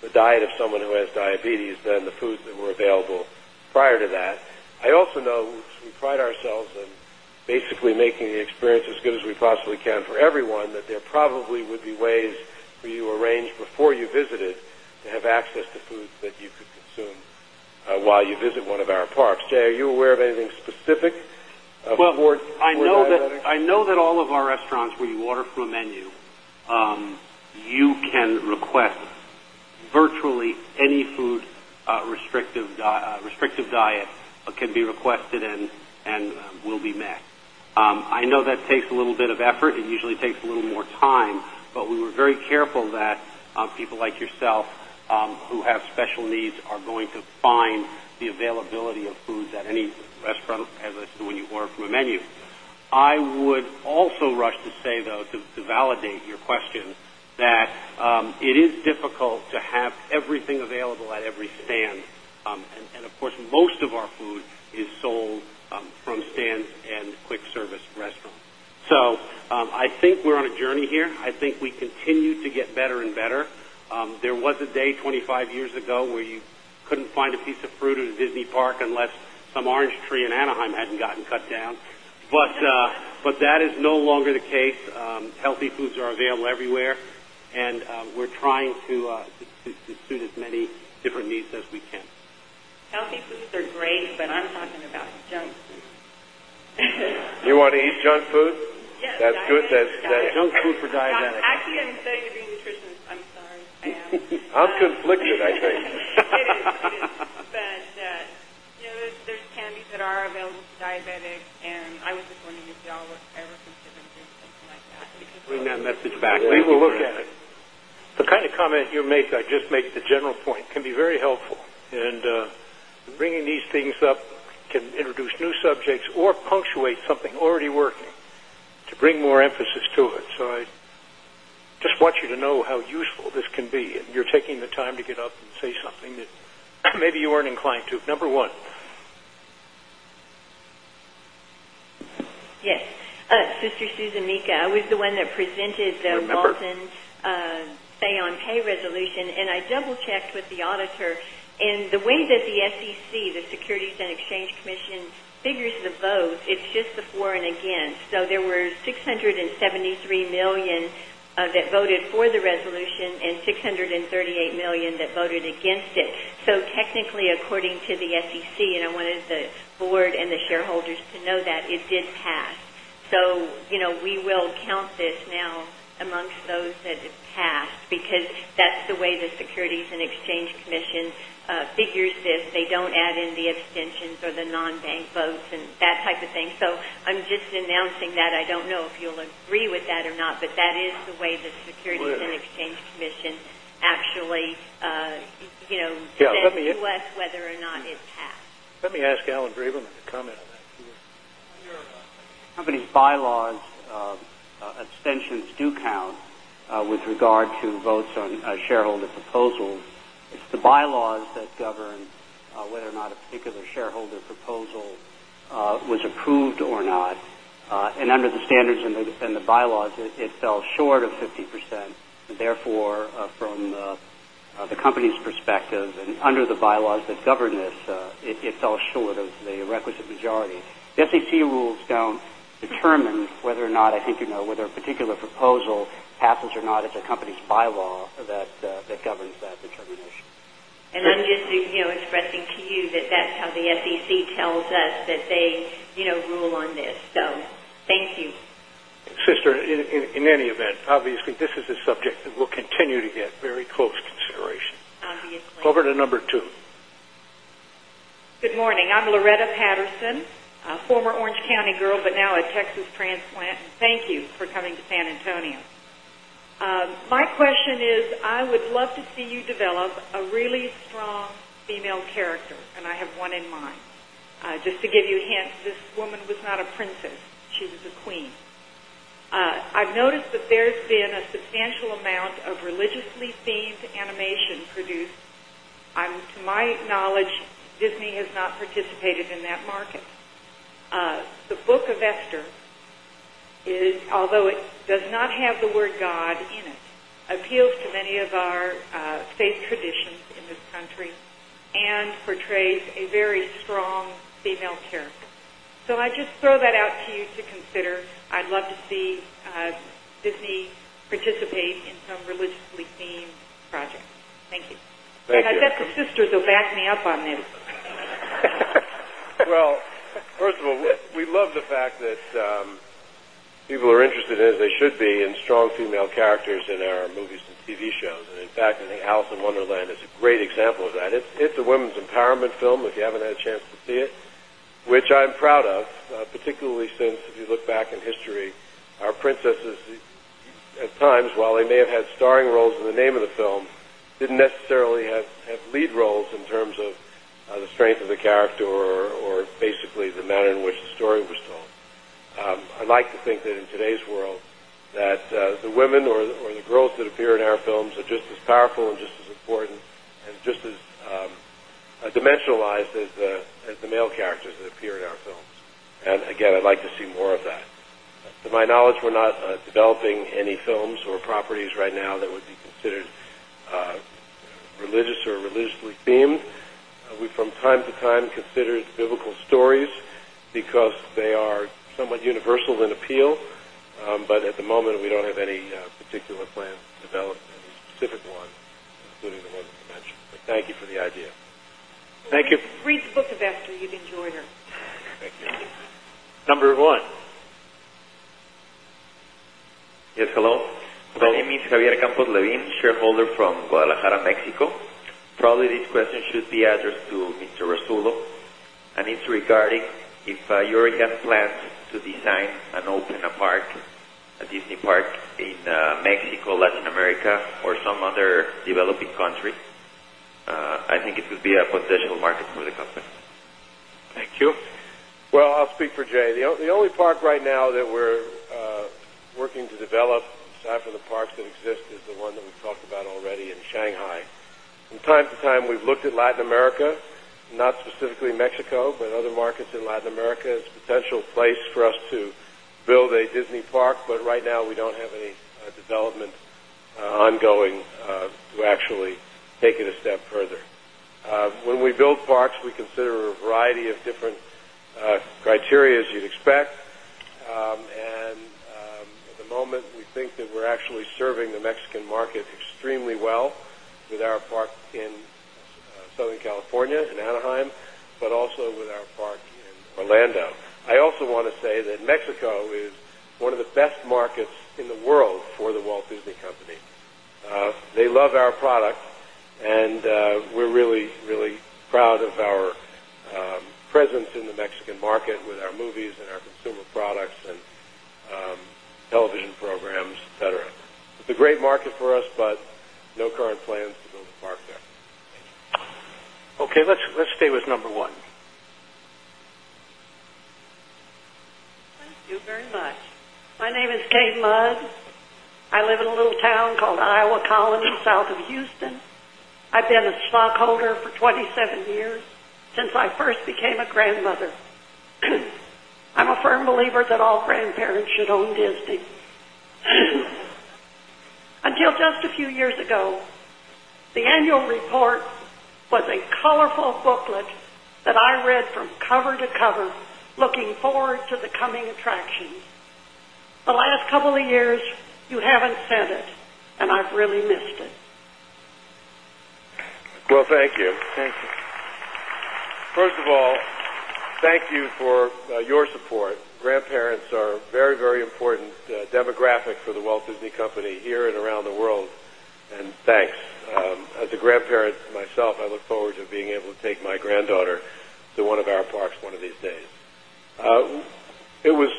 the diet of someone who has diabetes than the foods that were available Board prior to that. I also know we pride ourselves in basically making the experience as good as we possibly can for everyone that there probably would be ways you arranged before you visited to have access to food that you could consume while you visit 1 of our parks. Jay, are you aware of anything specific Board. I know that all of our restaurants where you order from a menu, you can request virtually any food restrictive diet can be requested and will be met. I know that takes a little bit of effort. It usually takes a little more time, but we were very careful that people like yourself, who have special needs are going to buying the availability of foods at any restaurant as I said when you order from a menu. I would also rush to say though to validate your question that. It is difficult to have everything available at every stand. And of course, most of our food is sold from Stans and Quick Service Restaurants. So I think we're on a journey here. I think we continue to get better and better. There was a day 25 years ago where you couldn't find a piece of fruit in a Disney park unless some orange tree in Anaheim hadn't gotten cut down. But that is no longer the case. Healthy foods are available everywhere, and we're trying as many different needs as we can. Healthy foods are great, but I'm talking about junk food. You want to eat junk food? Yes. That's good. That's junk food for diabetics. Actually, I'm saying green nutrition is, I'm sorry. I'm conflicted, I think. It is. But there's candies that are available to diabetics And I was just wondering if you all would ever consider doing something like that. Bring that message back. We will look at it. The kind of comment you make, I just make the general point can be very helpful. And bringing these things up can introduce new subjects or punctuate something already working to bring more emphasis to it. So I just want you to know how useful this can be. You're taking the time to get up and say something that maybe you weren't inclined to. Number 1. Yes. Sister Susan Mika, I was the one that presented the Milton's pay on pay resolution and I double checked with the auditor And the way that the SEC, the Securities and Exchange Commission figures the vote, it's just before and again. So there were 673,000,000 That voted for the resolution and $638,000,000 that voted against it. So technically, according to the SEC, and I wanted the Board and the shareholders to know that it did pass. So we will count this now amongst those that Because that's the way the Securities and Exchange Commission figures this. They don't add in the extensions or the non bank votes and that type of thing. So I'm just announcing that. I don't know if you'll agree with that or not, but that is the way the Securities and Exchange Commission actually U. S. Whether or not it passed. Let me ask Alan Breiblin to comment on that. Your company's bylaws extensions do count with regard to votes on shareholder proposals. It's the bylaws that govern whether or not a particular shareholder proposal was approved or not. And under the standards and the bylaws, it fell short of 50%. Therefore, from the company's perspective and under the bylaws that govern this, it fell short of the requisite majority. SEC rules don't determine whether or not I think you know whether a particular proposal passes or not as a company's bylaw that governs that determination. And I'm just expressing to you that that's how the SEC tells us that they rule on this. So thank you. Sister in any event, obviously, this is a subject that we'll continue to get very close consideration. Obviously. Over to number 2. Good morning. I'm Loretta Patterson, a former Orange County girl, but now a Texas transplant. Thank you for coming to San Antonio. My question is, I would love to see you develop a really strong female character and I have one in mind. Just to give you a hint, this woman was not a princess, she was a queen. I've noticed that there's been a substantial amount of religiously Steve's animation produced. To my knowledge, Disney has not participated in that market. The book of Esther is although it does not have the word God in it, appeals to many of our faith traditions in this country and portrays a very strong female character. So I just throw that out to you to consider. I'd love to see Disney participate in some religiously themed projects. Thank you. Thank you. I bet the sisters will back me up on this. Well, first of all, we love the fact that people are interested as they should be in strong female characters in our movies and TV shows. And in fact, I think Alice in Wonderland is a great example of that. It's a women's empowerment film, if you haven't had a chance to see it, Which I'm proud of, particularly since if you look back in history, our princesses at times, while they may have had starring roles in the name of the film, Didn't necessarily have lead roles in terms of the strength of the character or basically the manner in which the story was told. I'd like to think that in today's world that the women or the girls that appear in our films are just as powerful and just as important and just as dimensionalized as the male characters that appear in our films. And again, I'd like to see more of that. To my knowledge, we're not developing any films or properties right now that would be considered religious or religiously themed. We from time to time consider it biblical stories because they are somewhat universal in appeal. But at the moment, we don't have any particular plan developed, any specific one, including the one that you mentioned. But thank you for the idea. Thank you. Brief book, investor. You've enjoyed her. Thank you. Number 1. Yes, hello. My name is Javier Campos Levin, shareholder from Guadalajara, Mexico. Probably this question should be addressed to Mr. Rasulo. And it's regarding if you're again plans to design and open a park, a Disney park in Mexico, Latin America or some other developing country. I think it will be a potential market for the company. Thank you. Well, I'll speak for Jay. The only park right now that we're working to develop aside from the parks that exist is the one that we've talked about already in Shanghai. From time to time, we've looked at Latin America, not specifically Mexico, but other markets in Latin America as a potential place for us to build a Disney park, but right now we don't have any development ongoing to actually take it a step further. When we build parks, we consider a variety of different criteria as you'd expect. And at the moment, we but also with our park in Orlando. I also want to say that Mexico is one of the best markets in the world for The Walt Disney Company. They love our product and we're really, really proud of our presence in the Mexican market with our movies and our products and television programs, etcetera. It's a great market for us, but no current plans to build the market. Okay. Let's stay with number 1. Thank you very much. My name is Kate Mudd. I live in a little town called Iowa Colony, south of Houston. I've been a stockholder for 27 years since I first became a grandmother. I'm a firm believer that all grandparents should own Disney. Until just a few years ago, The annual report was a colorful booklet that I read from cover to cover looking forward to the coming attractions. The last couple of years, you haven't said it and I've really missed it. Well, thank you. Thank you. First of all, thank you for your support. Grandparents are very, very important demographic for the Walt Disney Company here and around the world. And thanks. As a grandparent myself, I look forward to being able to take my granddaughter to one of our parks one of these days. It was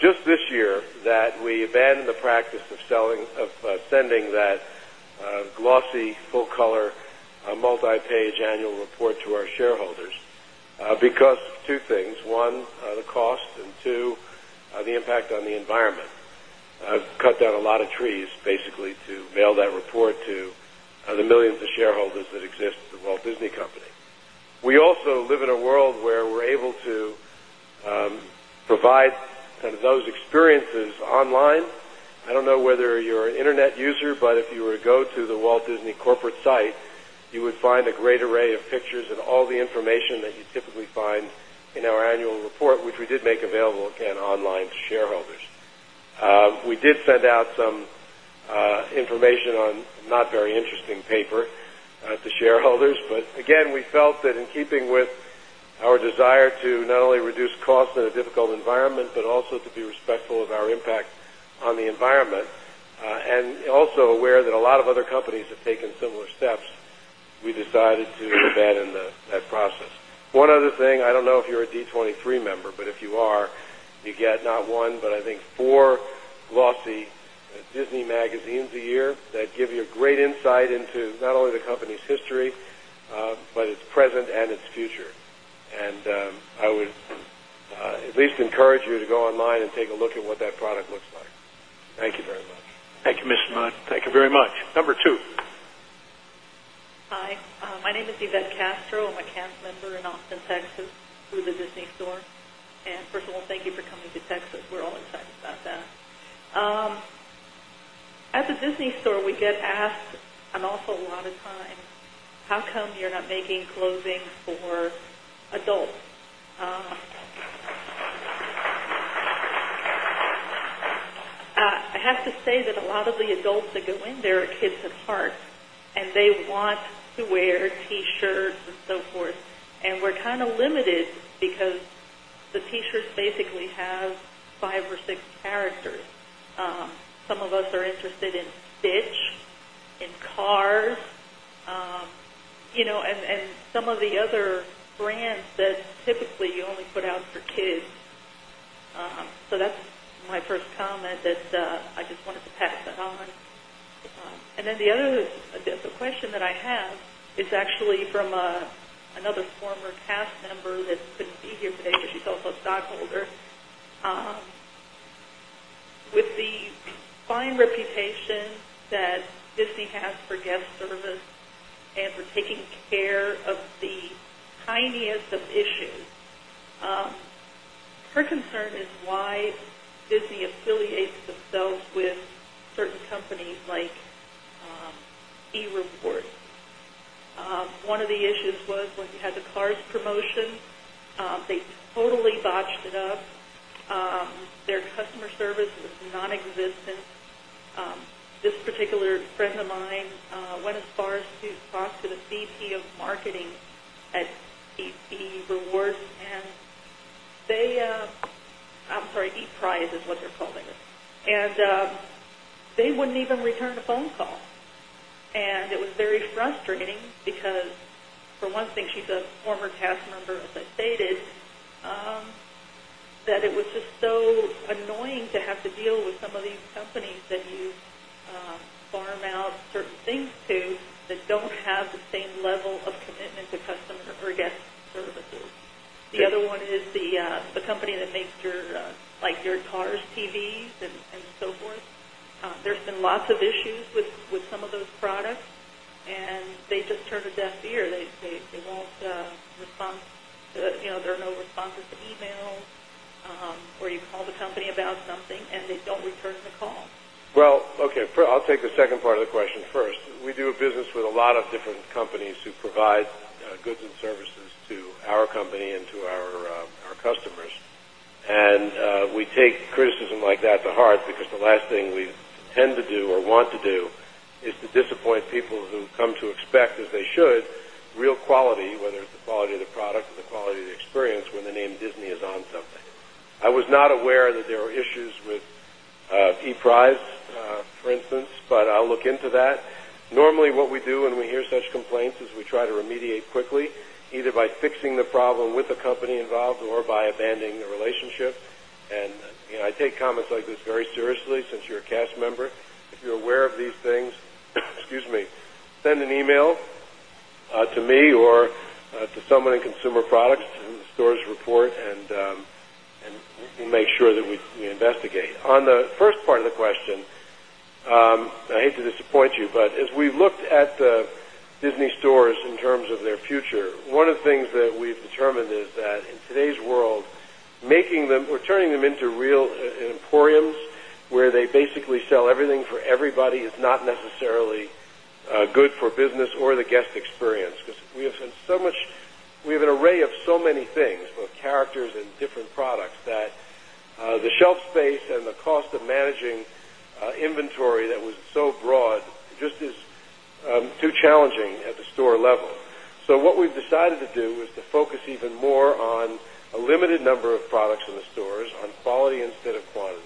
just this year that we abandoned the practice of selling of sending that glossy full color multi page annual report to our shareholders because of 2 things, 1, the cost and 2, the impact on the environment. I've cut down a lot of trees basically to mail that report to the millions of shareholders that exist at the Walt Disney Company. We also live in a world where we're able to provide kind of those experiences online. I I don't know whether you're an Internet user, but if you were to go to the Walt Disney corporate site, you would find a great array of pictures and all the information that you typically find in not very interesting paper to shareholders. But again, we felt that in keeping with our desire to not only reduce costs in a difficult environment, but also to be our impact on the environment and also aware that a lot of other companies have taken similar steps. We decided to abandon that process. One other thing, I don't know if you're a D23 member, but if you are, you get not one, but I think 4 glossy Disney magazines a year that give you a great insight into not only the company's history, but its present and its future. Thank you, Mr. Macht. Thank you very much. Number 2. Hi. My name is Yvette Castro. I'm a camp member in Austin, Texas through the Disney Store. And first of all, thank you for coming to Texas. We're all excited about that. At the Disney store, we get asked and also a lot of time, How come you're not making clothing for adults? I have to say that a lot of the adults that go in there are kids at heart and they want to wear T shirts and so forth. And we're kind of limited because the T shirts basically have 5 or 6 characters. Some of us are interested in Stitch, in Cars, and some of the other brands that typically you only put out for kids. So that's my first comment that I just wanted to pass that on. And then the other question that I have is actually from another former cast member that could be here today, but she's also a stockholder. With the fine reputation that Disney has for guest service And for taking care of the tiniest of issues. Her concern is why Busy affiliates themselves with certain companies like ereport. One of the issues was when you had the cars promotion, they totally botched it up. Their customer service is non existent. This particular friend of mine went as far as to talk to the VP of Marketing At E Rewards and they I'm sorry, E prize is what they're calling it. And They wouldn't even return the phone call. And it was very frustrating because for one thing, she's a former task member, as I stated, That it was just so annoying to have to deal with some of these companies that you The other one is the company that makes your like your cars TVs and so forth. There's been lots of issues with some of those products And they just turned a deaf ear. They won't respond there are no responses to e mails Where you call the company about something and they don't return the call. Well, okay. I'll take the second part of the question first. We do a business with a lot of different companies who provide goods and services to our company and to our customers. And we take Like that to heart because the last thing we tend to do or want to do is to disappoint people who come to expect as they should real quality, whether it's the quality of the product and the quality of the experience when the name Disney is on something. I was not aware that there were issues with P. Price, for instance, but I'll look into that. Normally what we do when we hear such complaints is we try to remediate quickly either by fixing the problem with the company involved or by abandoning the relationship. And I take comments like this very seriously since you're a cash member. If you're aware of these things, excuse me, Send an email to me or to someone in Consumer Products and the stores report and what we'll make sure that we investigate. On the first part of the question, I hate to disappoint you, but as we looked at the Disney Stores in terms of their future. One of the things that we've determined is that in today's world, making them or turning them into real emporiums where they basically sell everything for everybody is not necessarily good for business or the guest experience because we have so much We have an array of so many things, both characters and different products that the shelf space and the cost of managing inventory that was so broad, just as too challenging at the store level. So what we've decided to do is to focus even more on a limited number of products in the stores on quality instead of quantity.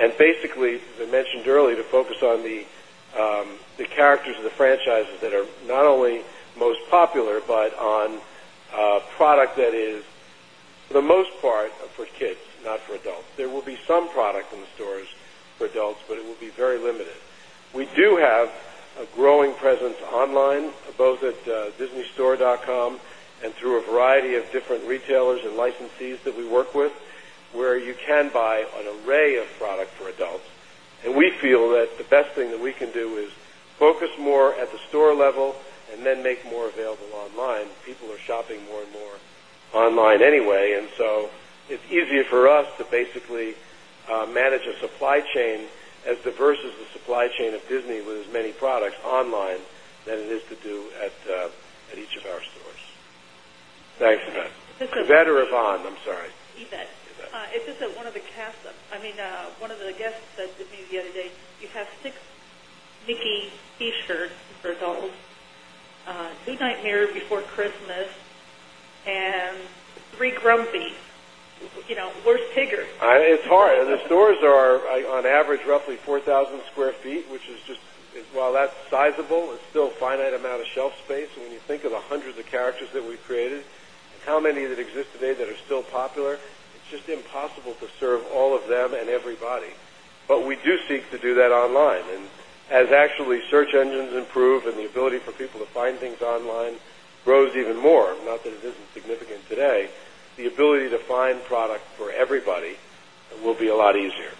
And basically, as I mentioned earlier, to focus on the characters of the franchises that are not only most popular, but on product that is the most part for kids, not for adults. There will be some product in the stores for adults, but it will be very limited. We do have a growing presence online both at disneystore.com and through a variety of different retailers and licensees that we work with where you can buy an array of product for adults. And we feel that the best thing that we can do is focus more at the store level And then make more available online. People are shopping more and more online anyway. And so it's easier for us to basically manage a supply chain as diverse as the supply chain of Disney with as many products online than it is to do at each of our stores. Thanks for that. You bet. You bet. You bet. You bet. You bet. You bet. You bet. You bet. You bet. You bet. You bet. You bet. You bet. You bet. You bet. You bet. You bet. You bet. You bet. You bet. You bet. You bet. You bet. You bet. You bet. I mean, one of the guests said to me the other day, you have 6 Mickey T shirt for those, 2 Nightmare Before Christmas and 3 Grumpy, Where's Tigger? It's hard. The stores are on average roughly 4,000 square feet, which is just while that's sizable, it's still finite amount of shelf space. When you think of the hundreds of characters that we've created and how many that exist today that are still popular, it's just impossible to serve all of them and everybody. But we do seek to do that online. And as actually search engines improve and the ability for people to find things online Rose even more, not that it isn't significant today, the ability to find product for everybody will be a lot easier.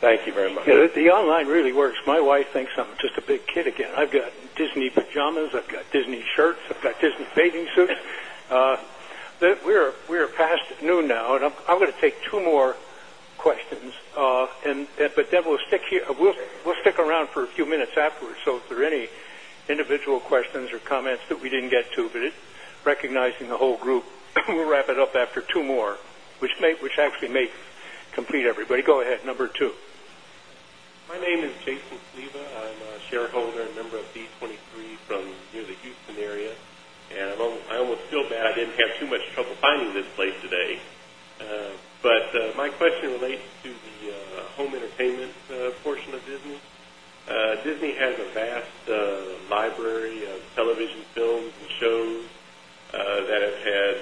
Thank you very much. The online really works. My wife thinks I'm just a big kid again. I've got Disney pajamas, I've got Disney shirts, I've got Disney bathing suits. We are past noon now, and I'm going to take 2 more questions. And but Deb will stick here we'll stick around for a few minutes afterwards. So if there are any individual questions or comments that we didn't get to, but recognizing the whole group, we'll wrap it up after 2 more, which actually makes complete everybody. Go ahead, number 2. My name is Jason Sliva. I'm a shareholder and member of B23 from the Houston area. And I almost feel bad, I didn't have too much trouble finding this place today. But my question relates to the home entertainment portion of Disney. Disney has a vast library of television films and shows that have had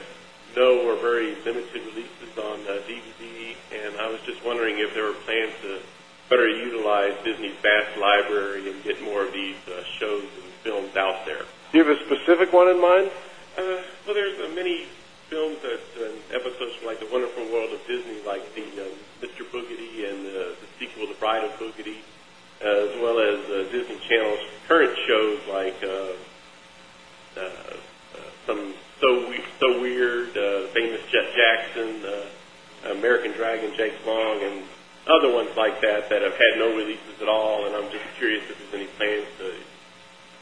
no or very limited releases on the DVD. And I was just wondering if there were plans to Better utilize Disney's vast library and get more of these shows and films out there. Do you have a specific one in mind? Well, there's many Films and episodes like the Wonderful World of Disney like the Mr. Boogity and the sequel, The Bride of Boogity, as well as Disney Channel's current shows like some So Weird, Famous Jeff Jackson, American Dragon, Jake Long and other ones like that, that have had no releases at all. And I'm just curious if there's any plans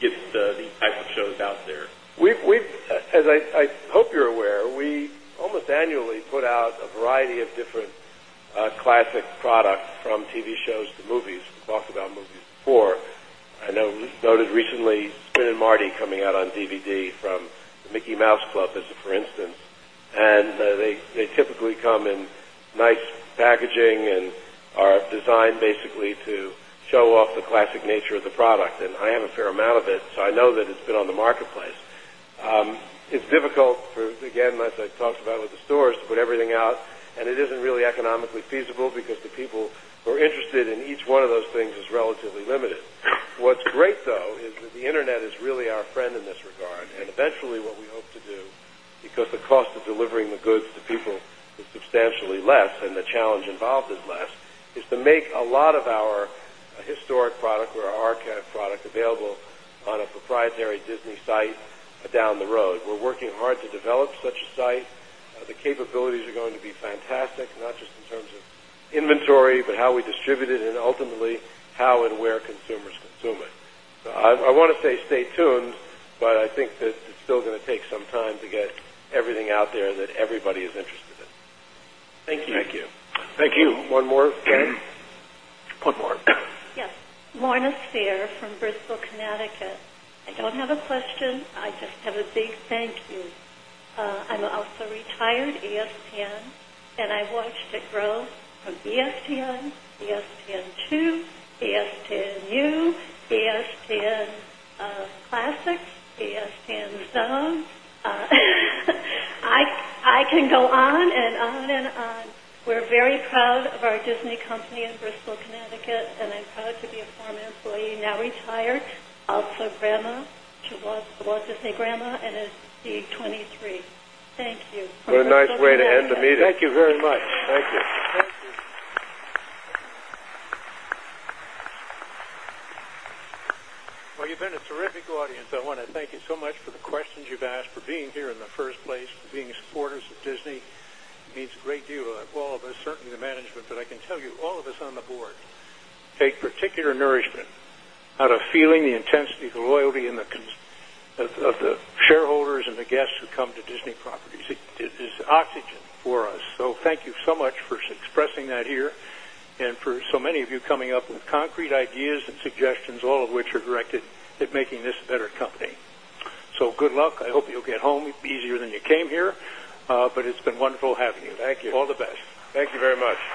to the type of shows out there. We've as I hope you're aware, we almost annually put out a variety of different classic product from TV shows to movies, we've talked about movies before. I know noted recently, Spin and Marty coming out on DVD from Mickey Mouse Club, for instance. And they typically come in nice packaging and are designed basically to show off the classic nature of the product and I have a fair amount of it. So I know that it's been on the marketplace. It's difficult for again, as I talked about with doors to put everything out. And it isn't really economically feasible because the people who are interested in each one of those things is relatively limited. What's great though is that the Internet is really our friend in this regard. And eventually what we hope to do because the cost of delivering the goods to people substantially less and the challenge involved is less, is to make a lot of our historic product or our archive product available on a proprietary Disney site down the road. We're working hard to develop such a site. The capabilities are going to be fantastic, not just in terms of inventory, but how we distribute it and ultimately how and where consumers consume it. So I want to say stay tuned, Board. I think that it's still going to take some time to get everything out there that everybody is interested in. Thank you. Thank you. Thank you. One more. Yes. Marnas Fehr from Bristol, Connecticut. I don't have a question. I just have a big thank you. I'm also retired ESPN and I watched it grow from ESPN, ESPN2, I can go on and on and on. We're very proud of our Disney company in Bristol, Connecticut, and I'm proud to be a former employee, now retired, What a nice way to end the meeting. Thank you very much. Thank you. Well, you've been a terrific audience. I Thank you so much for the questions you've asked for being here in the 1st place, being supporters of Disney. It means a great deal of all of us, certainly the management, but I can tell you all of us on the Board a particular nourishment out of feeling the intensity, the loyalty and the of the shareholders and the guests who come to Disney properties. It is oxygen for us. So thank you so much for expressing that here and for so many of you coming up with concrete ideas and suggestions, all of which are directed making this better company. So good luck. I hope you'll get home easier than you came here, but it's been wonderful having you. Thank you. All the best. Thank you very much.